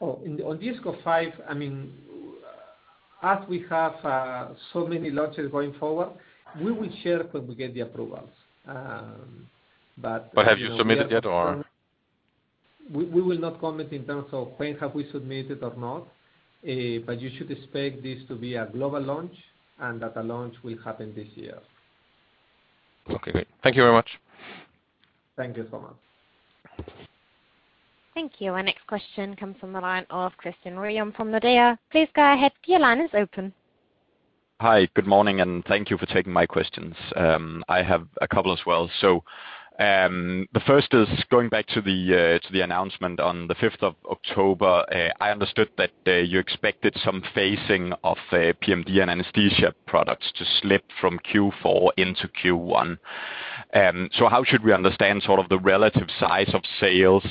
aScope 5. On the aScope 5, I mean, as we have so many launches going forward, we will share when we get the approvals. But- Have you submitted yet or? We will not comment in terms of when have we submitted or not, but you should expect this to be a global launch and that the launch will happen this year. Okay, great. Thank you very much. Thank you so much. Thank you. Our next question comes from the line of Christian Ryom from Danske Bank. Please go ahead. Your line is open. Hi. Good morning, and thank you for taking my questions. I have a couple as well. The first is going back to the announcement on the fifth of October. I understood that you expected some phasing of the PMD and anesthesia products to slip from Q4 into Q1. How should we understand sort of the relative size of sales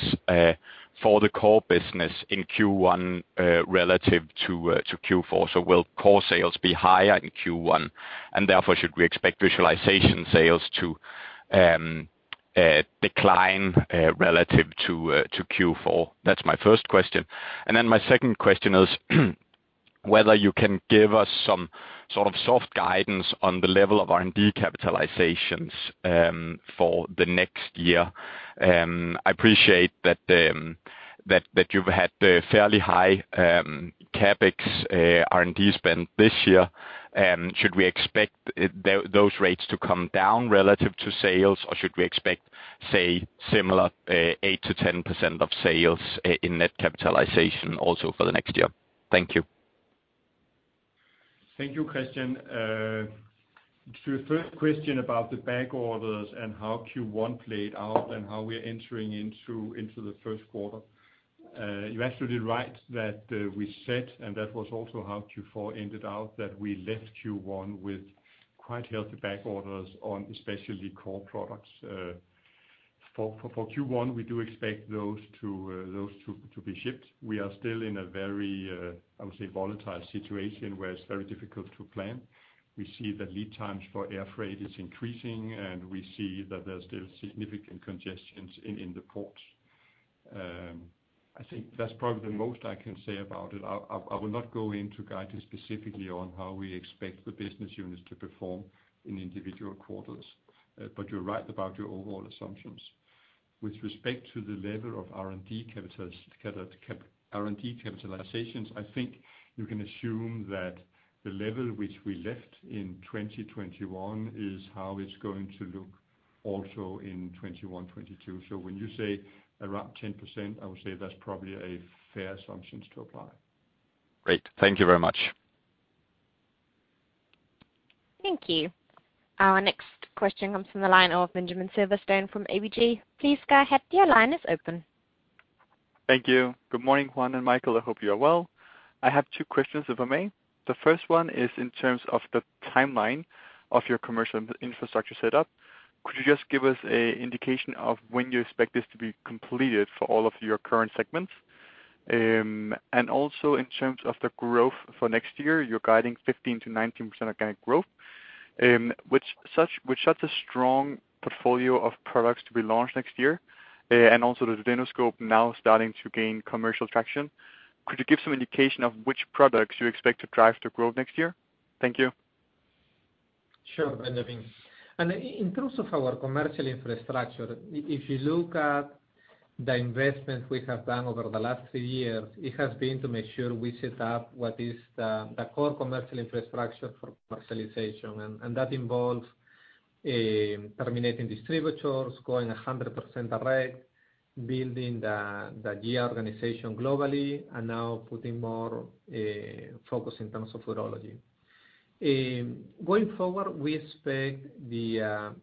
for the core business in Q1 relative to Q4? Will core sales be higher in Q1, and therefore should we expect visualization sales to decline relative to Q4? That's my first question. My second question is whether you can give us some sort of soft guidance on the level of R&D capitalizations for the next year. I appreciate that you've had a fairly high CapEx R&D spend this year. Should we expect those rates to come down relative to sales, or should we expect, say, similar 8%-10% of sales in net capitalization also for the next year? Thank you. Thank you, Christian. To your first question about the back orders and how Q1 played out and how we're entering into the first quarter, you're absolutely right that we said, and that was also how Q4 ended out, that we left Q1 with quite healthy back orders on especially core products. For Q1, we do expect those to be shipped. We are still in a very volatile situation where it's very difficult to plan. We see that lead times for air freight is increasing, and we see that there's still significant congestion in the ports. I think that's probably the most I can say about it. I will not go into guiding specifically on how we expect the business units to perform in individual quarters. You're right about your overall assumptions. With respect to the level of R&D capitalizations, I think you can assume that the level which we left in 2021 is how it's going to look also in 2021, 2022. When you say around 10%, I would say that's probably a fair assumption to apply. Great. Thank you very much. Thank you. Our next question comes from the line of Benjamin Silverstone from ABG. Please go ahead. Your line is open. Thank you. Good morning, Juan and Michael. I hope you are well. I have two questions, if I may. The first one is in terms of the timeline of your commercial infrastructure setup. Could you just give us an indication of when you expect this to be completed for all of your current segments? In terms of the growth for next year, you're guiding 15%-19% organic growth. With such a strong portfolio of products to be launched next year, and also the duodenoscope now starting to gain commercial traction. Could you give some indication of which products you expect to drive the growth next year? Thank you. Sure, Benjamin. In terms of our commercial infrastructure, if you look at the investments we have done over the last three years, it has been to make sure we set up what is the core commercial infrastructure for commercialization. That involves terminating distributors, going 100% direct, building the GI organization globally, and now putting more focus in terms of urology. Going forward, we expect the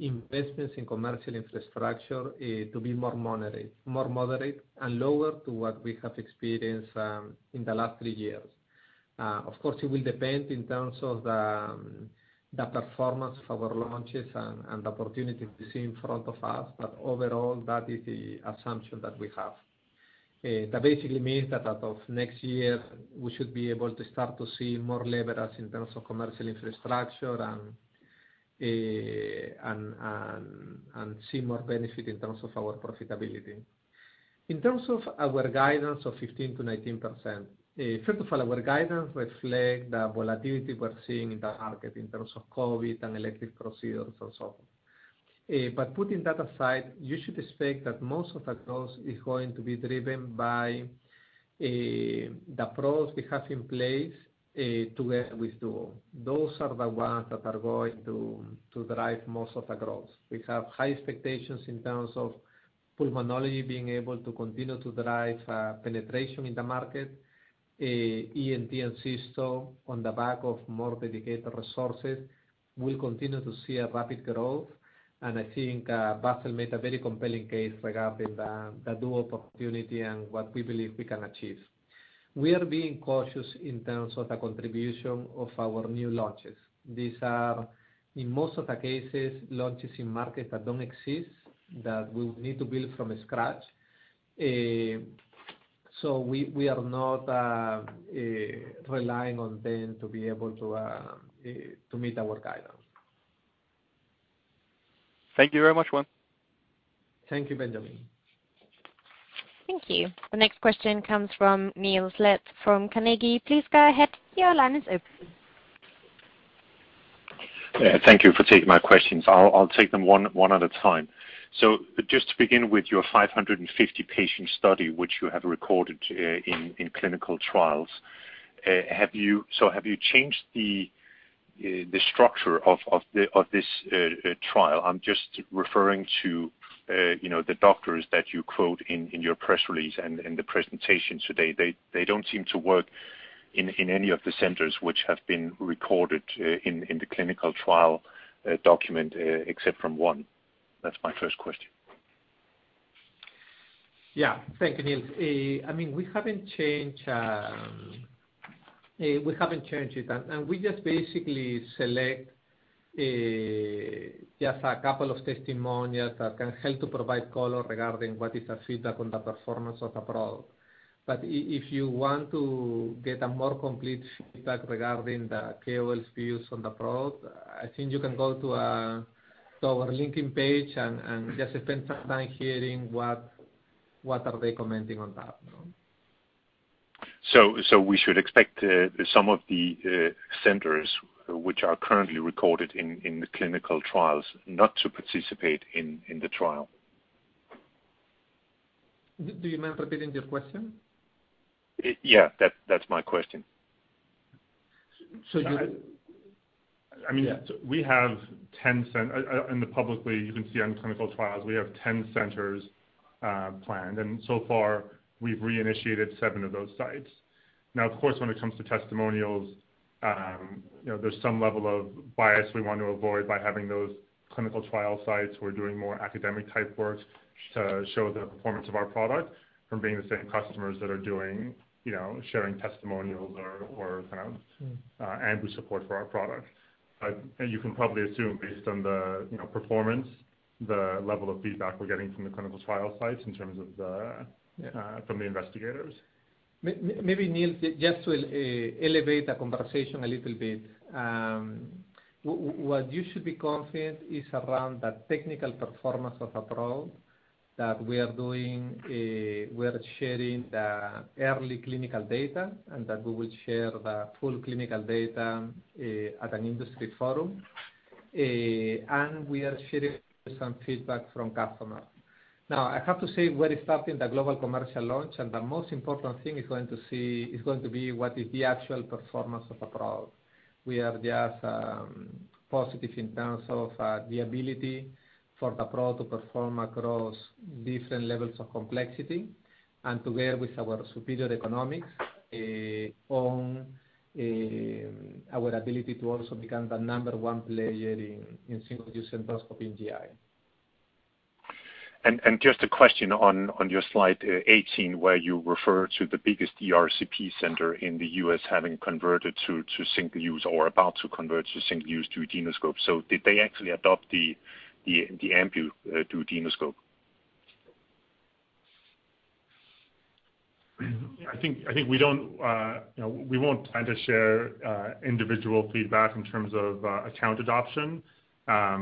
investments in commercial infrastructure to be more moderate and lower than what we have experienced in the last three years. Of course, it will depend in terms of the performance of our launches and opportunities we see in front of us. Overall, that is the assumption that we have. That basically means that as of next year, we should be able to start to see more leverage in terms of commercial infrastructure and see more benefit in terms of our profitability. In terms of our guidance of 15%-19%, first of all, our guidance reflect the volatility we're seeing in the market in terms of COVID and elective procedures and so on. Putting that aside, you should expect that most of the growth is going to be driven by the products we have in place, together with Duodeno. Those are the ones that are going to drive most of the growth. We have high expectations in terms of pulmonology being able to continue to drive penetration in the market. ENT and Cysto on the back of more dedicated resources, we'll continue to see a rapid growth. I think Bassel made a very compelling case regarding the dual opportunity and what we believe we can achieve. We are being cautious in terms of the contribution of our new launches. These are, in most of the cases, launches in markets that don't exist that we'll need to build from scratch. We are not relying on them to be able to meet our guidance. Thank you very much, Juan. Thank you, Benjamin. Thank you. The next question comes from Niels Granholm-Leth from Carnegie. Please go ahead. Your line is open. Yeah, thank you for taking my questions. I'll take them one at a time. Just to begin with your 550-patient study, which you have recorded in clinical trials, have you changed the structure of this trial? I'm just referring to, you know, the doctors that you quote in your press release and in the presentation today. They don't seem to work in any of the centers which have been recorded in the clinical trial document, except from one. That's my first question. Yeah. Thank you, Niels. I mean, we haven't changed it. We just basically select just a couple of testimonials that can help to provide color regarding what is the feedback on the performance of the product. But if you want to get a more complete feedback regarding the KOL's views on the product, I think you can go to our LinkedIn page and just spend some time hearing what they are commenting on that. We should expect some of the centers which are currently recorded in the clinical trials not to participate in the trial? Do you mind repeating your question? Yeah. That's my question. So you- I mean. Yeah. We have, in the publicly, you can see on clinical trials, 10 centers planned. So far we've reinitiated seven of those sites. Now, of course, when it comes to testimonials, you know, there's some level of bias we want to avoid by having those clinical trial sites who are doing more academic type work to show the performance of our product from being the same customers that are doing, you know, sharing testimonials or kind of, Ambu support for our product. You can probably assume based on the, you know, performance, the level of feedback we're getting from the clinical trial sites in terms of the, from the investigators. Maybe Niels, just to elevate the conversation a little bit. What you should be confident is around the technical performance of the product that we are doing. We are sharing the early clinical data and that we will share the full clinical data at an industry forum. We are sharing some feedback from customers. Now, I have to say, we're starting the global commercial launch, and the most important thing is going to be what is the actual performance of the product. We are just positive in terms of the ability for the product to perform across different levels of complexity and together with our superior economics, on our ability to also become the number one player in single-use endoscopy in GI. Just a question on your slide 18, where you refer to the biggest ERCP center in the U.S. having converted to single-use or about to convert to single-use duodenoscope. Did they actually adopt the Ambu duodenoscope? I think we don't, you know, we won't try to share individual feedback in terms of account adoption. I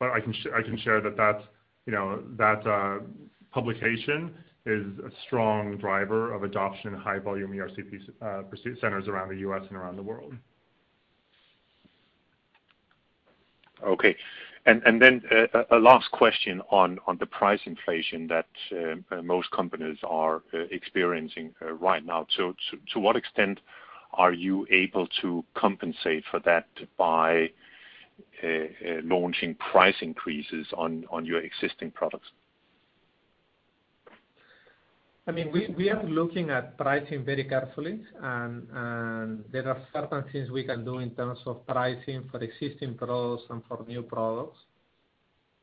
can share that that's, you know, that publication is a strong driver of adoption in high volume ERCP procedure centers around the U.S. and around the world. Okay. Then a last question on the price inflation that most companies are experiencing right now. To what extent are you able to compensate for that by launching price increases on your existing products? I mean, we are looking at pricing very carefully. There are certain things we can do in terms of pricing for existing products and for new products.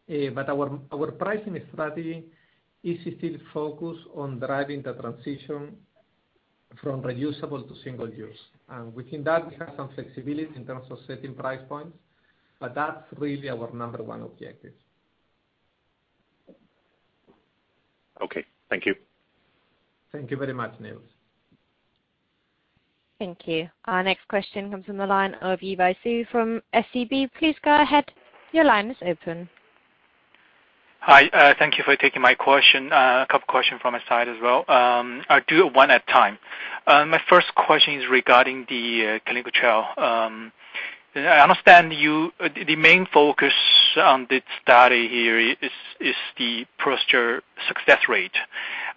But our pricing strategy is still focused on driving the transition from reusable to single-use. Within that we have some flexibility in terms of setting price points, but that's really our number one objective. Okay, thank you. Thank you very much, Niels. Thank you. Our next question comes from the line of Yiwei Zhou from SEB. Please go ahead. Your line is open. Hi. Thank you for taking my question. A couple of questions from my side as well. I'll do it one at a time. My first question is regarding the clinical trial. I understand the main focus on this study here is the procedure success rate.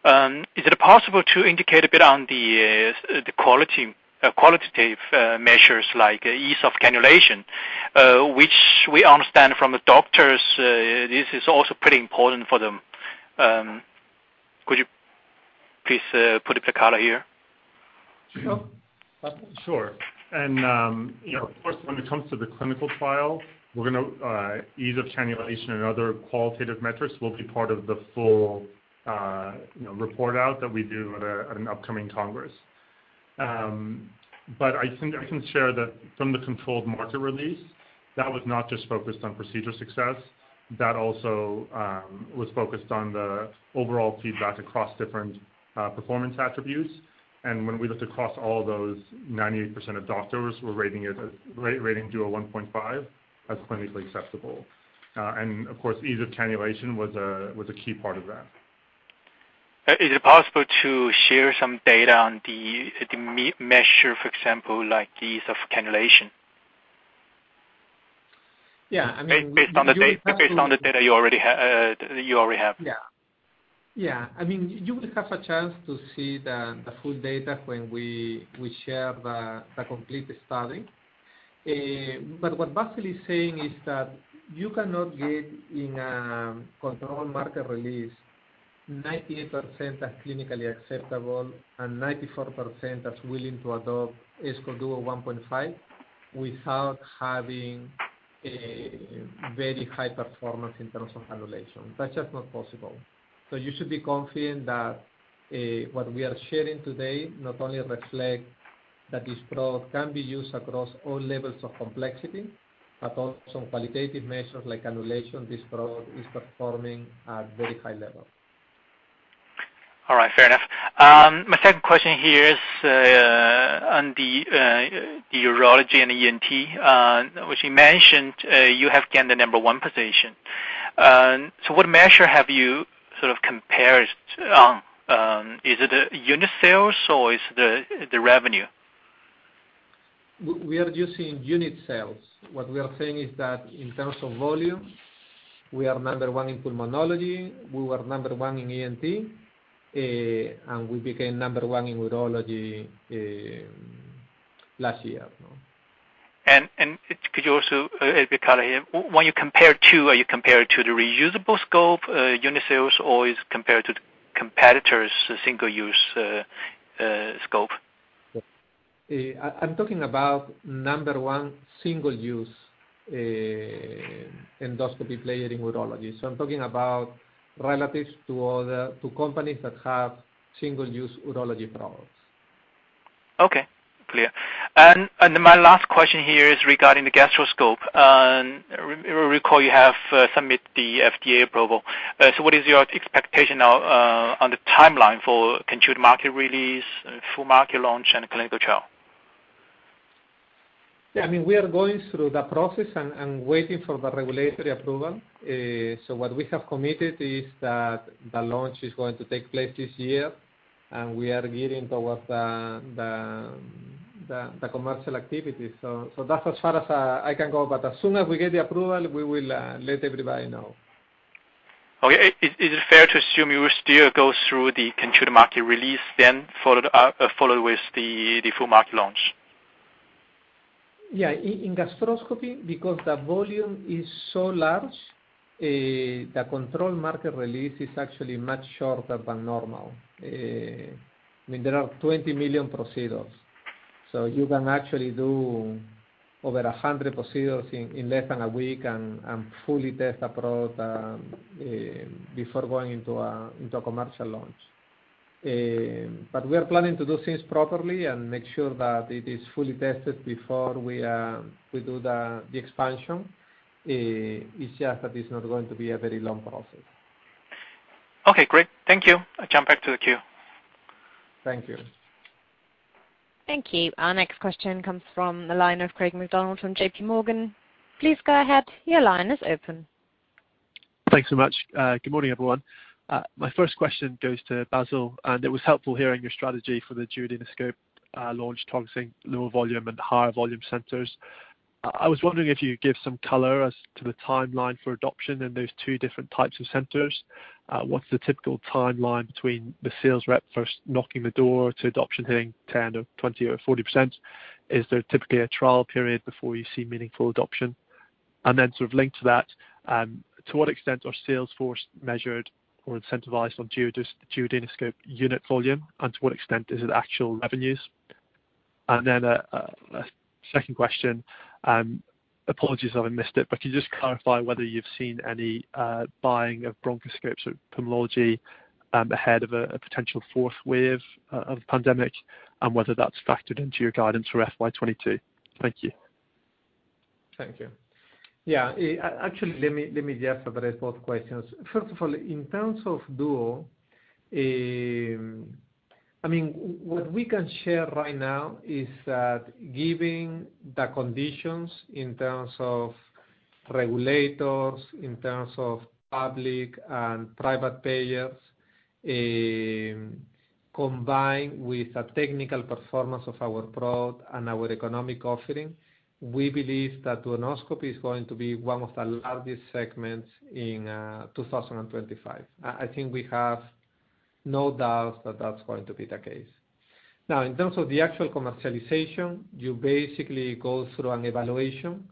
Is it possible to indicate a bit on the qualitative measures like ease of cannulation, which we understand from the doctors this is also pretty important for them. Could you please provide a bit of color here? Sure. Bassel? Sure. You know, of course, when it comes to the clinical trial, we're gonna ease of cannulation and other qualitative metrics will be part of the full, you know, report out that we do at an upcoming congress. But I think I can share that from the controlled market release, that was not just focused on procedure success. That also was focused on the overall feedback across different performance attributes. When we looked across all those, 98% of doctors were rating aScope Duodeno 1.5 as clinically acceptable. Of course, ease of cannulation was a key part of that. Is it possible to share some data on the measure, for example, like the ease of cannulation? Yeah. Based on the data you already have. I mean, you will have a chance to see the full data when we share the complete study. But what Bassel is saying is that you cannot get in a controlled market release 98% as clinically acceptable, and 94% as willing to adopt aScope Duodeno 1.5 without having a very high performance in terms of cannulation. That's just not possible. You should be confident that what we are sharing today not only reflect that this product can be used across all levels of complexity, but also qualitative measures like cannulation, this product is performing at very high level. All right. Fair enough. My second question here is on the urology and ENT, which you mentioned, you have gained the number one position. So what measure have you sort of compared on, is it unit sales or is the revenue? We are using unit sales. What we are saying is that in terms of volume, we are number one in pulmonology, we were number one in ENT, and we became number one in urology last year. Could you also, Piccola here, when you compare to, are you compare it to the reusable scope unit sales, or is compared to competitors' single-use scope? I'm talking about number one single-use endoscopy player in urology. I'm talking about relative to other companies that have single-use urology products. Okay. Clear. My last question here is regarding the gastroscope. Recall you have submitted the FDA approval. What is your expectation now on the timeline for continued market release, full market launch, and clinical trial? Yeah, I mean, we are going through the process and waiting for the regulatory approval. What we have committed is that the launch is going to take place this year, and we are gearing towards the commercial activity. That's as far as I can go. As soon as we get the approval, we will let everybody know. Okay. Is it fair to assume you will still go through the continued market release then followed with the full market launch? Yeah. In gastroscopy, because the volume is so large, the controlled market release is actually much shorter than normal. I mean, there are 20 million procedures. You can actually do over 100 procedures in less than a week and fully test a product before going into a commercial launch. We are planning to do things properly and make sure that it is fully tested before we do the expansion. It's just that it's not going to be a very long process. Okay, great. Thank you. I'll jump back to the queue. Thank you. Thank you. Our next question comes from the line of Craig MacDonald from JP Morgan. Please go ahead. Your line is open. Thanks so much. Good morning, everyone. My first question goes to Bassel, and it was helpful hearing your strategy for the duodenoscope launch targeting lower volume and higher volume centers. I was wondering if you'd give some color as to the timeline for adoption in those two different types of centers. What's the typical timeline between the sales rep first knocking on the door to adoption hitting 10%-20% or 40%? Is there typically a trial period before you see meaningful adoption? Sort of linked to that, to what extent are sales force measured or incentivized on duodenoscope unit volume, and to what extent is it actual revenues? A second question, apologies if I missed it, but can you just clarify whether you've seen any buying of bronchoscopes in pulmonology ahead of a potential fourth wave of pandemic, and whether that's factored into your guidance for FY 2022? Thank you. Thank you. Yeah. Actually, let me just address both questions. First of all, in terms of duodeno, what we can share right now is that given the conditions in terms of regulators, in terms of public and private payers, combined with the technical performance of our product and our economic offering, we believe that duodenoscope is going to be one of the largest segments in 2025. I think we have no doubt that that's going to be the case. Now, in terms of the actual commercialization, you basically go through an evaluation,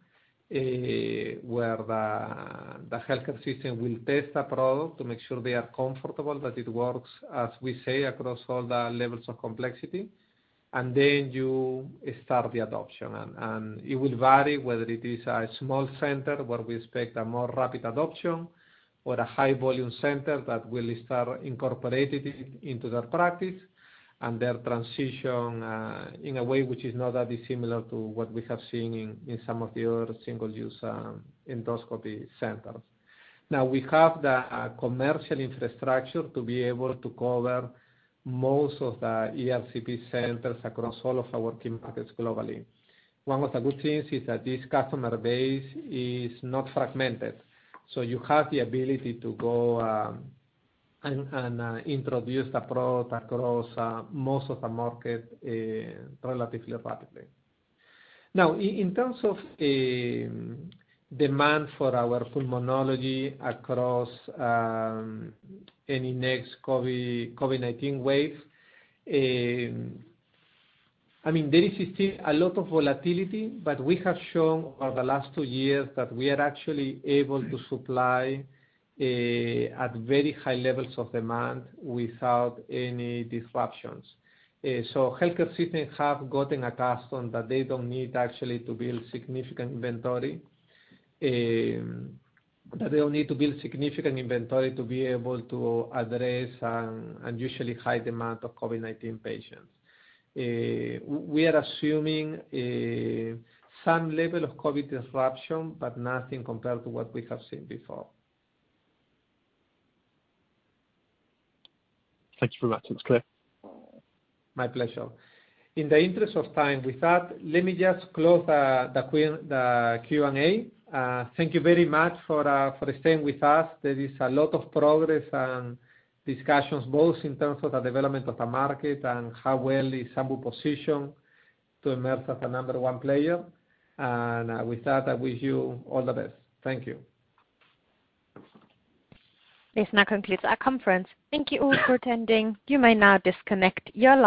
where the healthcare system will test the product to make sure they are comfortable, that it works, as we say, across all the levels of complexity, and then you start the adoption. It will vary whether it is a small center where we expect a more rapid adoption or a high volume center that will start incorporating it into their practice and their transition in a way which is not that dissimilar to what we have seen in some of the other single-use endoscopy centers. We have the commercial infrastructure to be able to cover most of the ERCP centers across all of our key markets globally. One of the good things is that this customer base is not fragmented, so you have the ability to go and introduce the product across most of the market relatively rapidly. Now, in terms of demand for our pulmonology across any next COVID-19 wave, I mean, there is still a lot of volatility, but we have shown over the last two years that we are actually able to supply at very high levels of demand without any disruptions. So healthcare systems have gotten accustomed that they don't need actually to build significant inventory to be able to address unusually high demand of COVID-19 patients. We are assuming some level of COVID disruption, but nothing compared to what we have seen before. Thank you very much. It's clear. My pleasure. In the interest of time, with that, let me just close the Q&A. Thank you very much for staying with us. There is a lot of progress and discussions, both in terms of the development of the market and how well is Ambu positioned to emerge as the number one player. With that, I wish you all the best. Thank you. This now concludes our conference. Thank you all for attending. You may now disconnect your lines.